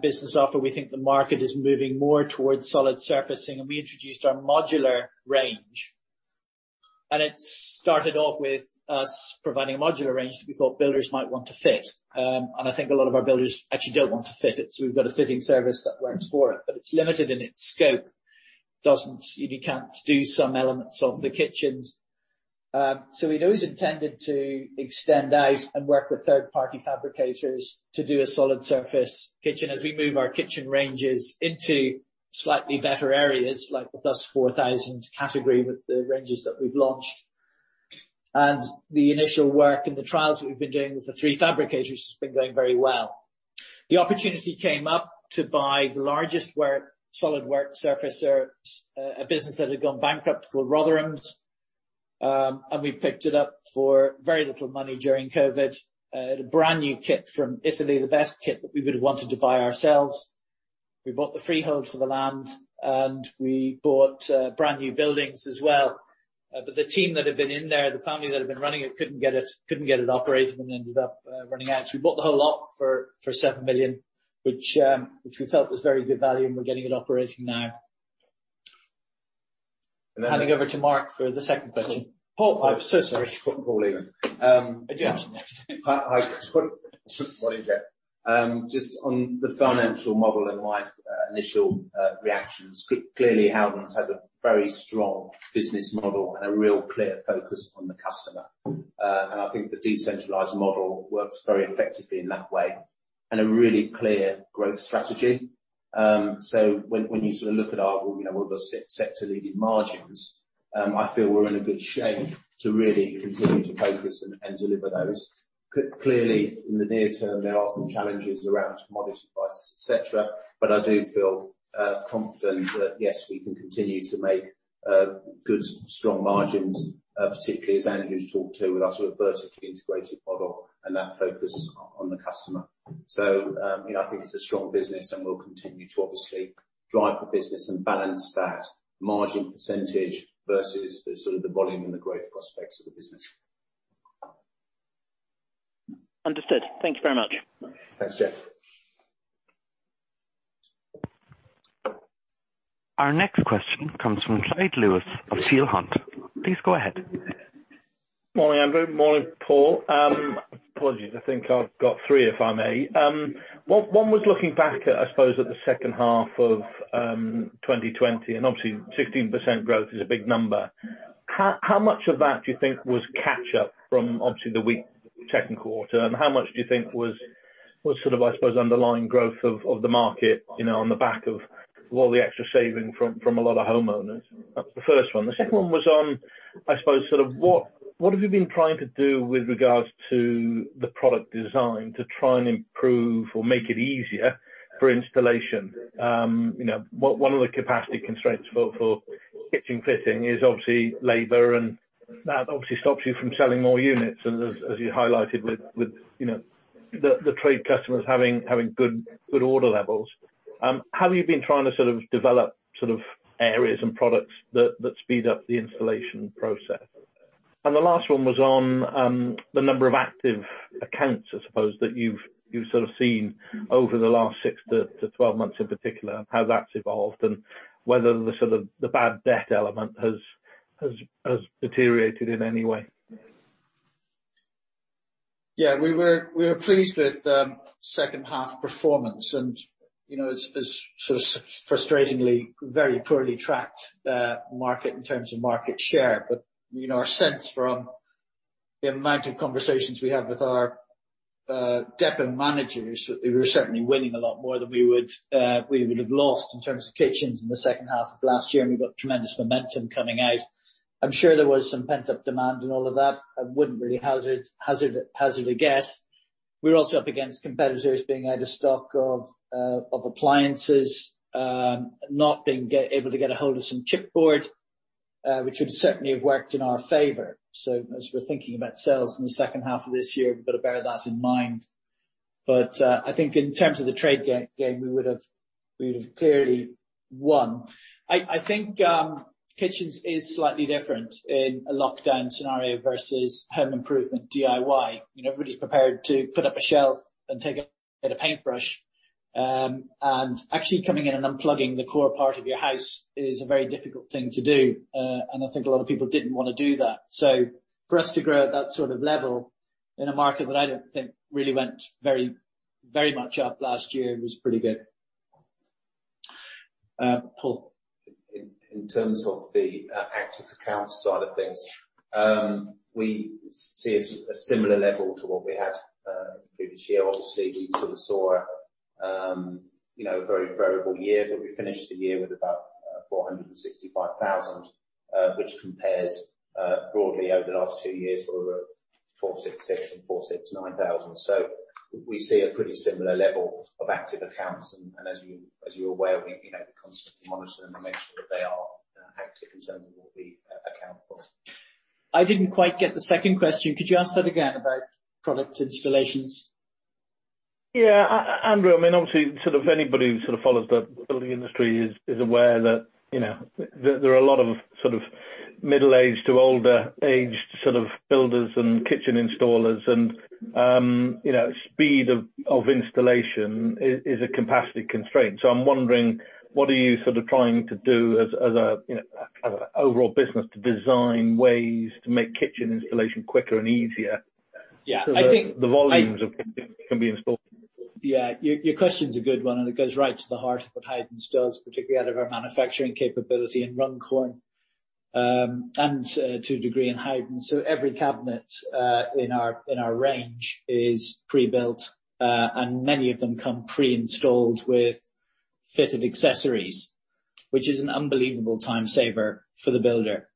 business offer. We think the market is moving more towards solid surfacing, and we introduced our modular range. It started off with us providing a modular range that we thought builders might want to fit. I think a lot of our builders actually don't want to fit it, so we've got a fitting service that works for it. It's limited in its scope. You can't do some elements of the kitchens. We'd always intended to extend out and work with third-party fabricators to do a solid surface kitchen as we move our kitchen ranges into slightly better areas, like the plus 4,000 category with the ranges that we've launched. The initial work and the trials that we've been doing with the three fabricators has been going very well. The opportunity came up to buy the largest solid work surface, a business that had gone bankrupt, called Rotherhams, and we picked it up for very little money during COVID. Had a brand new kit from Italy, the best kit that we would have wanted to buy ourselves. We bought the freehold for the land, and we bought brand new buildings as well. The team that had been in there, the family that had been running it, couldn't get it operational and ended up running out. We bought the whole lot for 7 million, which we felt was very good value, and we're getting it operational now. And then handing over to Mark for the second question. Paul. Oh, I'm so sorry. Paul even. You're up next. Morning, Geoff. Just on the financial model and my initial reactions, clearly Howden has a very strong business model and a real clear focus on the customer. I think the decentralized model works very effectively in that way, and a really clear growth strategy. When you look at our, we've got sector-leading margins, I feel we're in a good shape to really continue to focus and deliver those. Clearly, in the near term, there are some challenges around commodity prices, et cetera. I do feel confident that, yes, we can continue to make good, strong margins, particularly as Andrew's talked to with our sort of vertically integrated model and that focus on the customer. I think it's a strong business, and we'll continue to obviously drive the business and balance that margin percentage versus the volume and the growth prospects of the business. Understood. Thank you very much. Thanks, Geoff. Our next question comes from Clyde Lewis of Peel Hunt. Please go ahead. Morning, Andrew. Morning, Paul. Apologies. I think I've got three, if I may. One was looking back at, I suppose, at the second half of 2020, and obviously 16% growth is a big number. How much of that do you think was catch-up from obviously the weak second quarter, and how much do you think was sort of, I suppose, underlying growth of the market on the back of all the extra saving from a lot of homeowners? That was the first one. The second one was on, I suppose, what have you been trying to do with regards to the product design to try and improve or make it easier for installation? One of the capacity constraints for kitchen fitting is obviously labor, and that obviously stops you from selling more units and as you highlighted with the trade customers having good order levels. How have you been trying to sort of develop areas and products that speed up the installation process? The last one was on the number of active accounts, I suppose that you've sort of seen over the last 6-12 months in particular, how that's evolved, and whether the sort of the bad debt element has deteriorated in any way. Yeah. We were pleased with second half performance and it's sort of frustratingly very poorly tracked market in terms of market share. Our sense from the amount of conversations we have with our depot managers, we were certainly winning a lot more than we would have lost in terms of kitchens in the second half of last year, and we got tremendous momentum coming out. I'm sure there was some pent-up demand and all of that. I wouldn't really hazard a guess. We were also up against competitors being out of stock of appliances, not being able to get a hold of some chipboard, which would certainly have worked in our favor. As we're thinking about sales in the second half of this year, we've got to bear that in mind. I think in terms of the trade game, we would have clearly won. I think kitchens is slightly different in a lockdown scenario versus home improvement DIY. Everybody's prepared to put up a shelf and take a paintbrush. Actually coming in and unplugging the core part of your house is a very difficult thing to do, and I think a lot of people didn't want to do that. For us to grow at that sort of level in a market that I don't think really went very much up last year was pretty good. Paul. In terms of the active accounts side of things, we see a similar level to what we had the previous year. Obviously, we sort of saw a very variable year, but we finished the year with about 465,000, which compares broadly over the last two years sort of 466,000 and 469,000. So we see a pretty similar level of active accounts, and as you are aware, we constantly monitor them and make sure that they are active in terms of what we account for. I didn't quite get the second question. Could you ask that again about product installations? Yeah. Andrew, obviously, anybody who follows the building industry is aware that there are a lot of middle-aged to older aged builders and kitchen installers and, speed of installation is a capacity constraint. I'm wondering, what are you trying to do as an overall business to design ways to make kitchen installation quicker and easier? Yeah. The volumes can be installed. Yeah. Your question's a good one, and it goes right to the heart of what Howden does, particularly out of our manufacturing capability in Runcorn, and to a degree in Howden. Every cabinet, in our range is pre-built, and many of them come pre-installed with fitted accessories, which is an unbelievable time saver for the builder.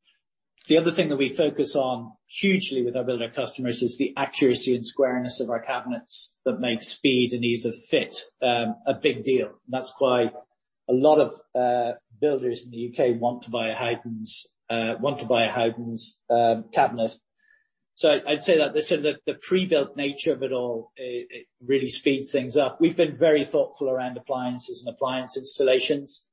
The other thing that we focus on hugely with our builder customers is the accuracy and squareness of our cabinets that make speed and ease of fit, a big deal. That's why a lot of builders in the U.K. want to buy a Howden's cabinet. I'd say that the pre-built nature of it all, it really speeds things up. We've been very thoughtful around appliances and appliance installations.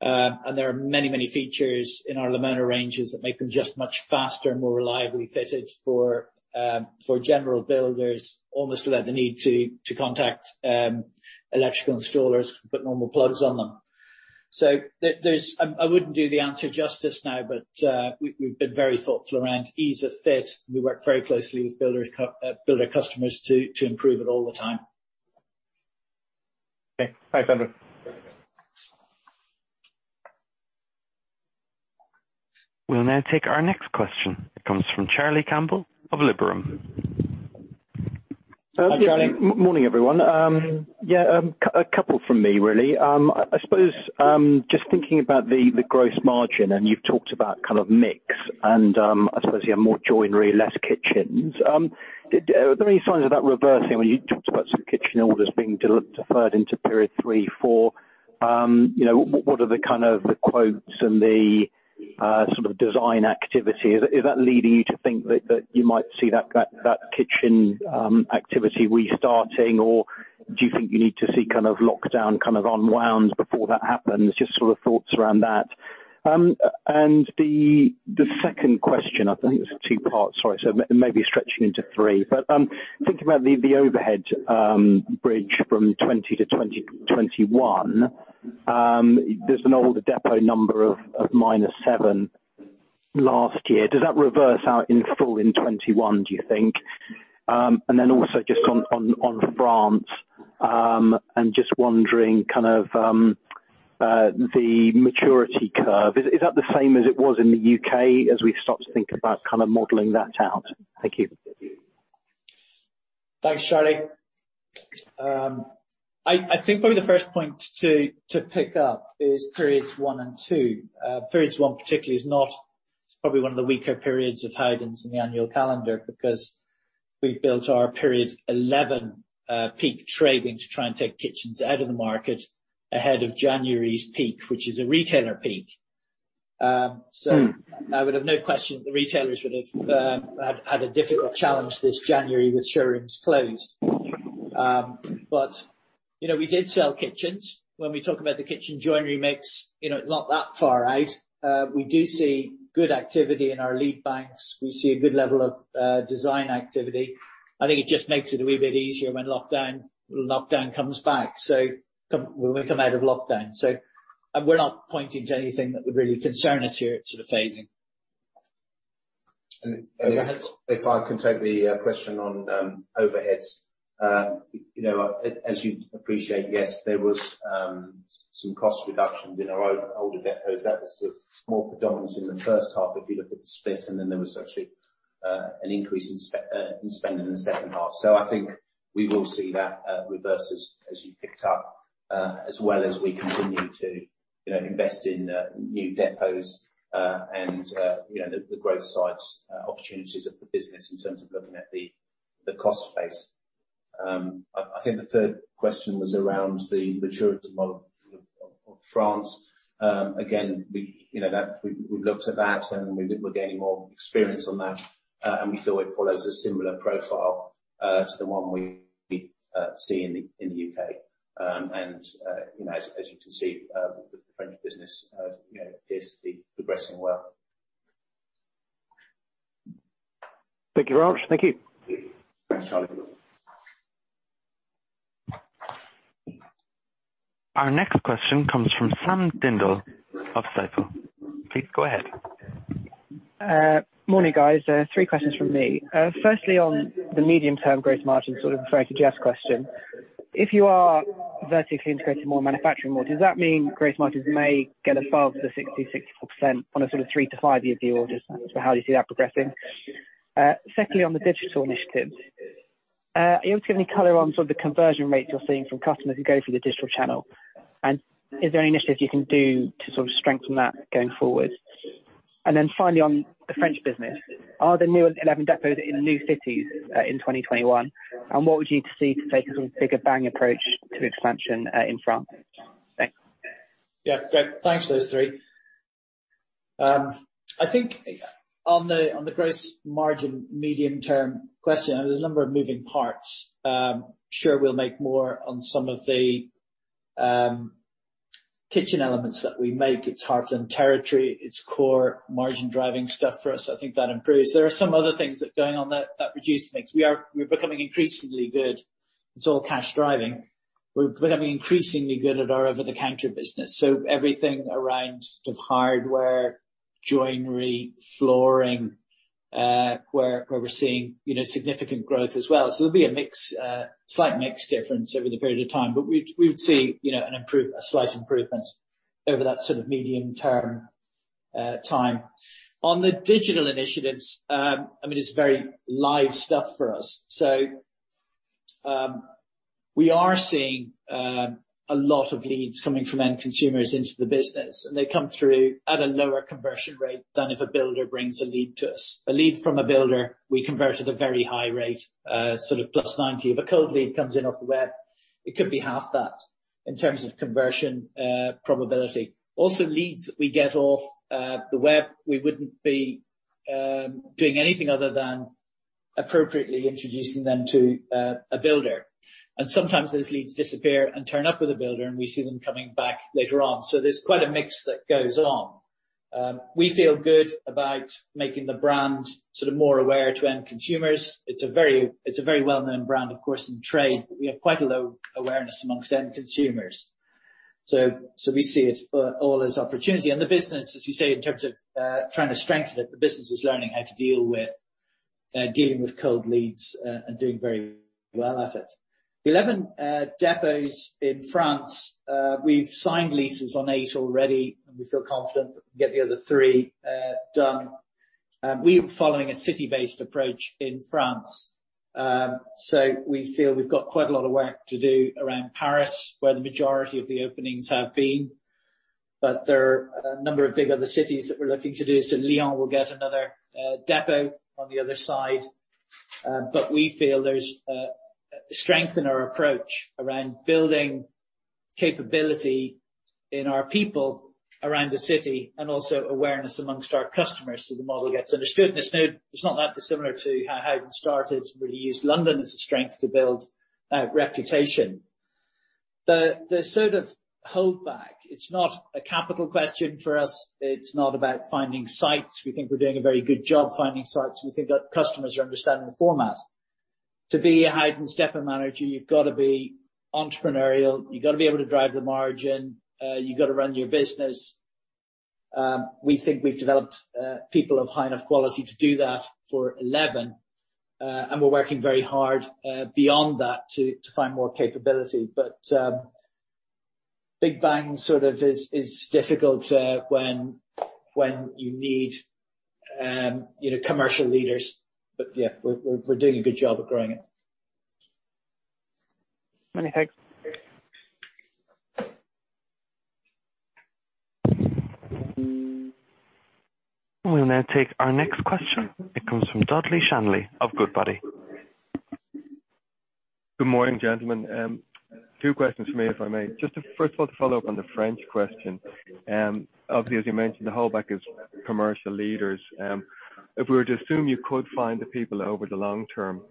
There are many, many features in our Lamona ranges that make them just much faster and more reliably fitted for general builders, almost without the need to contact electrical installers to put normal plugs on them. I wouldn't do the answer justice now, but we've been very thoughtful around ease of fit. We work very closely with builder customers to improve it all the time. Okay. Thanks, Andrew. We'll now take our next question. It comes from Charlie Campbell of Liberum. Hi, Charlie. Morning, everyone. A couple from me, really. I suppose, just thinking about the gross margin, and you've talked about mix and, I suppose, more joinery, less kitchens. Are there any signs of that reversing when you talked about kitchen orders being deferred into period 3, 4? What are the quotes and the design activity? Is that leading you to think that you might see that kitchen activity restarting, or do you think you need to see lockdown unwound before that happens? Just thoughts around that. The second question, I think, it was 2 parts, sorry, so maybe stretching into 3. Thinking about the overhead bridge from 2020 to 2021, there's an old depot number of minus 7 last year. Does that reverse out in full in 2021, do you think? Also just on France, I am just wondering, the maturity curve, is that the same as it was in the U.K. as we start to think about modeling that out? Thank you. Thanks, Charlie. I think probably the first point to pick up is periods one and two. Periods one particularly it's probably one of the weaker periods of Howden's in the annual calendar because we've built our period 11 peak trading to try and take kitchens out of the market ahead of January's peak, which is a retailer peak. I would have no question the retailers would have had a difficult challenge this January with showrooms closed. We did sell kitchens. When we talk about the kitchen joinery mix, it's not that far out. We do see good activity in our lead banks. We see a good level of design activity. I think it just makes it a wee bit easier when lockdown comes back, so when we come out of lockdown. We're not pointing to anything that would really concern us here. It's phasing. If I can take the question on overheads. As you appreciate, yes, there was some cost reductions in our older depots. That was more predominant in the first half if you look at the split, and then there was actually an increase in spending in the second half. I think we will see that reverse as you picked up, as well as we continue to invest in new depots, and the growth sides, opportunities of the business in terms of looking at the cost base. I think the third question was around the maturity model of France. We've looked at that and we're gaining more experience on that, and we feel it follows a similar profile to the one we see in the U.K. As you can see, the French business appears to be progressing well. Thank you, Paul. Thank you. Thanks, Charlie. Our next question comes from Sam Dindol of Stifel. Please go ahead. Morning, guys. Three questions from me. Firstly, on the medium-term gross margin, referring to Geoff's question. If you are vertically integrating more manufacturing orders, does that mean gross margins may get above the 60%-64% on a three to five-year view, or just how do you see that progressing? Secondly, on the digital initiatives Are you giving any color on the conversion rates you're seeing from customers who go through the digital channel? Is there any initiatives you can do to strengthen that going forward? Finally, on the French business, are the new 11 depots in new cities in 2021? What would you need to see to take a bigger bang approach to expansion in France? Thanks. Great. Thanks for those three. I think on the gross margin medium term question, there's a number of moving parts. Sure, we'll make more on some of the kitchen elements that we make. It's heartland territory, it's core margin driving stuff for us. I think that improves. There are some other things that are going on that reduce things. We're becoming increasingly good. It's all cash driving. We're becoming increasingly good at our over-the-counter business. Everything around hardware, joinery, flooring, where we're seeing significant growth as well. There'll be a slight mix difference over the period of time. We would see a slight improvement over that medium term time. On the digital initiatives, it's very live stuff for us. We are seeing a lot of leads coming from end consumers into the business, and they come through at a lower conversion rate than if a builder brings a lead to us. A lead from a builder, we convert at a very high rate, +90. If a cold lead comes in off the web, it could be half that in terms of conversion probability. Also, leads that we get off the web, we wouldn't be doing anything other than appropriately introducing them to a builder. Sometimes those leads disappear and turn up with a builder, and we see them coming back later on. There's quite a mix that goes on. We feel good about making the brand more aware to end consumers. It's a very well-known brand, of course, in trade, but we have quite a low awareness amongst end consumers. We see it all as opportunity. The business, as you say, in terms of trying to strengthen it, the business is learning how to deal with dealing with cold leads and doing very well at it. The 11 depots in France, we've signed leases on eight already, and we feel confident that we can get the other three done. We are following a city-based approach in France. We feel we've got quite a lot of work to do around Paris, where the majority of the openings have been. There are a number of big other cities that we're looking to do. Lyon will get another depot on the other side. We feel there's strength in our approach around building capability in our people around the city and also awareness amongst our customers so the model gets understood. It's not that dissimilar to how Howden started, really used London as a strength to build reputation. The sort of hold back, it's not a capital question for us. It's not about finding sites. We think we're doing a very good job finding sites. We think that customers are understanding the format. To be a Howden depot manager, you've got to be entrepreneurial, you got to be able to drive the margin, you got to run your business. We think we've developed people of high enough quality to do that for 11. We're working very hard beyond that to find more capability. Big bang sort of is difficult when you need commercial leaders. Yeah, we're doing a good job at growing it. Many thanks. We will now take our next question. It comes from Dudley Shanley of Goodbody. Good morning, gentlemen. two questions from me, if I may. Just first of all, to follow up on the French question. Obviously, as you mentioned, the holdback is commercial leaders. If we were to assume you could find the people over the long term,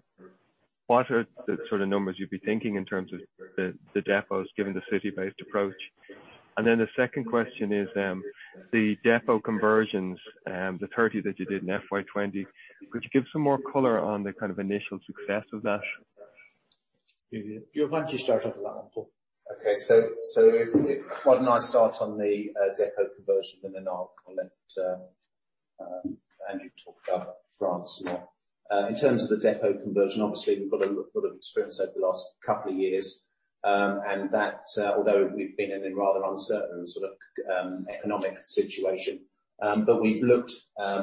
what are the sort of numbers you'd be thinking in terms of the depots, given the city-based approach? The second question is, the depot conversions, the 30 that you did in FY 2020, could you give some more color on the kind of initial success of that? Do you want to start off with that one, Paul? Okay. Why don't I start on the depot conversion, and then I'll let Andrew talk about France more. In terms of the depot conversion, obviously, we've got a lot of experience over the last couple of years, and that although we've been in a rather uncertain sort of economic situation. We've looked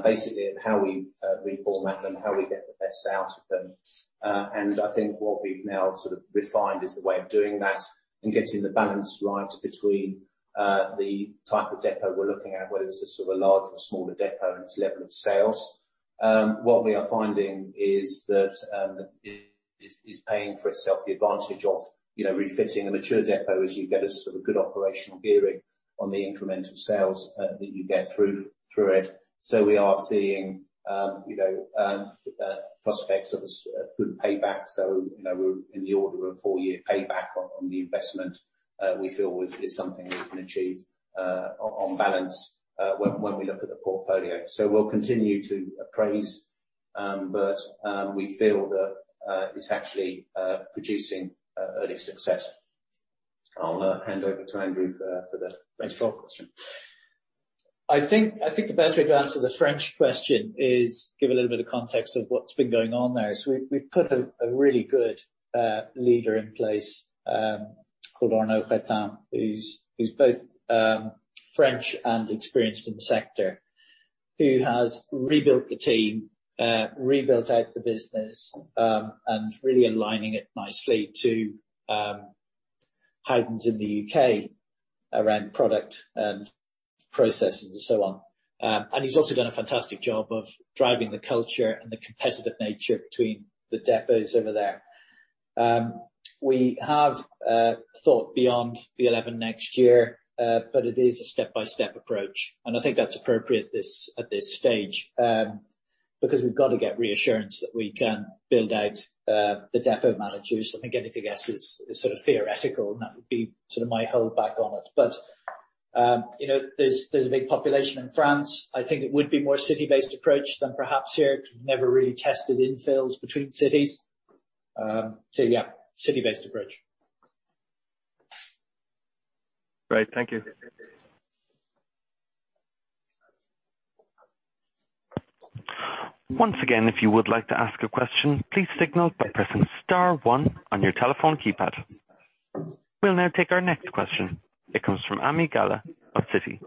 basically at how we reformat them, how we get the best out of them. I think what we've now sort of refined is the way of doing that and getting the balance right between the type of depot we're looking at, whether it's a sort of a larger or smaller depot and its level of sales. What we are finding is that it is paying for itself the advantage of refitting the mature depot as you get a sort of good operational gearing on the incremental sales that you get through it. We are seeing prospects of a good payback. In the order of a 4-year payback on the investment, we feel is something we can achieve on balance when we look at the portfolio. We'll continue to appraise, but we feel that it's actually producing early success. I'll hand over to Andrew for the French question. I think the best way to answer the French question is give a little bit of context of what's been going on there. We've put a really good leader in place, called Arnaud Cvetan, who's both French and experienced in the sector, who has rebuilt the team, rebuilt out the business, and really aligning it nicely to Howdens in the U.K. around product and processes, and so on. He's also done a fantastic job of driving the culture and the competitive nature between the depots over there. We have thought beyond the 11 next year, but it is a step-by-step approach, and I think that's appropriate at this stage, because we've got to get reassurance that we can build out the depot managers. I think anything else is theoretical, and that would be my hold back on it. There's a big population in France. I think it would be more city-based approach than perhaps here, because we've never really tested infills between cities. Yeah, city-based approach. Great. Thank you. Once again, if you would like to ask a question, please signal by pressing star one on your telephone keypad. We will now take our next question. It comes from Ami Galla of Citi.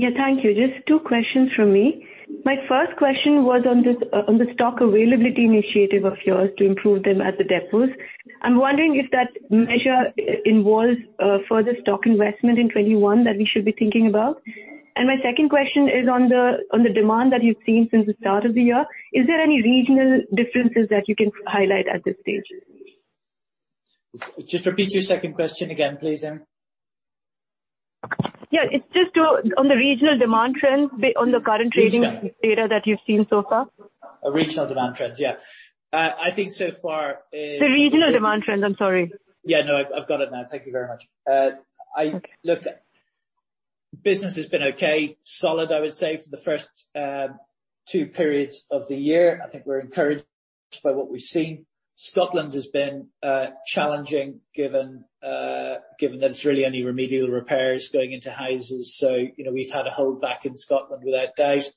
Yeah, thank you. Just two questions from me. My first question was on the stock availability initiative of yours to improve them at the depots. I'm wondering if that measure involves further stock investment in 2021 that we should be thinking about. My second question is on the demand that you've seen since the start of the year. Is there any regional differences that you can highlight at this stage? Just repeat your second question again, please, Ami. Yeah, it's just on the regional demand trends on the current trading. Please data that you've seen so far. Regional demand trends, yeah. The regional demand trends. I'm sorry. Yeah, no, I've got it now. Thank you very much. Look, business has been okay, solid, I would say, for the first two periods of the year. I think we're encouraged by what we've seen. Scotland has been challenging given that it's really only remedial repairs going into houses. We've had a hold back in Scotland without doubt.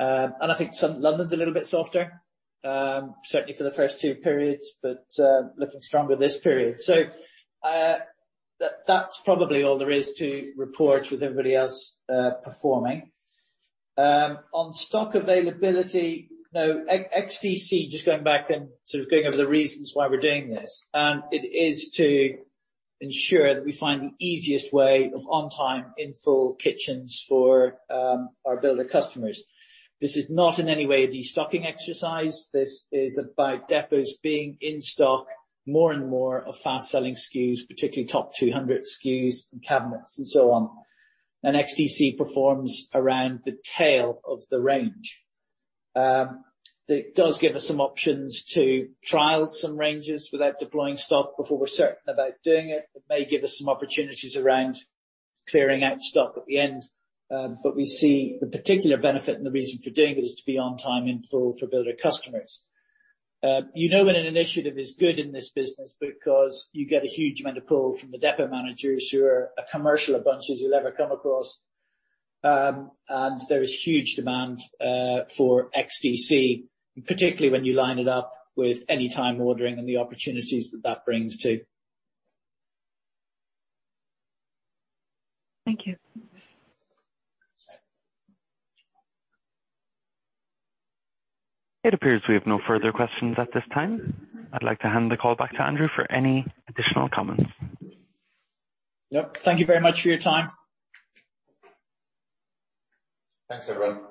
I think London's a little bit softer, certainly for the first two periods, but looking stronger this period. That's probably all there is to report with everybody else performing. On stock availability, XDC, just going back and going over the reasons why we're doing this, it is to ensure that we find the easiest way of on-time, in-full kitchens for our builder customers. This is not in any way a de-stocking exercise. This is about depots being in stock more and more of fast-selling SKUs, particularly top 200 SKUs and cabinets and so on. XDC performs around the tail of the range. It does give us some options to trial some ranges without deploying stock before we're certain about doing it. It may give us some opportunities around clearing out stock at the end. We see the particular benefit and the reason for doing it is to be on time, in full for builder customers. You know when an initiative is good in this business because you get a huge amount of call from the depot managers who are a commercial a bunch as you'll ever come across. There is huge demand for XDC, particularly when you line it up with any time ordering and the opportunities that that brings, too. Thank you. It appears we have no further questions at this time. I'd like to hand the call back to Andrew for any additional comments. Yep. Thank you very much for your time. Thanks, everyone.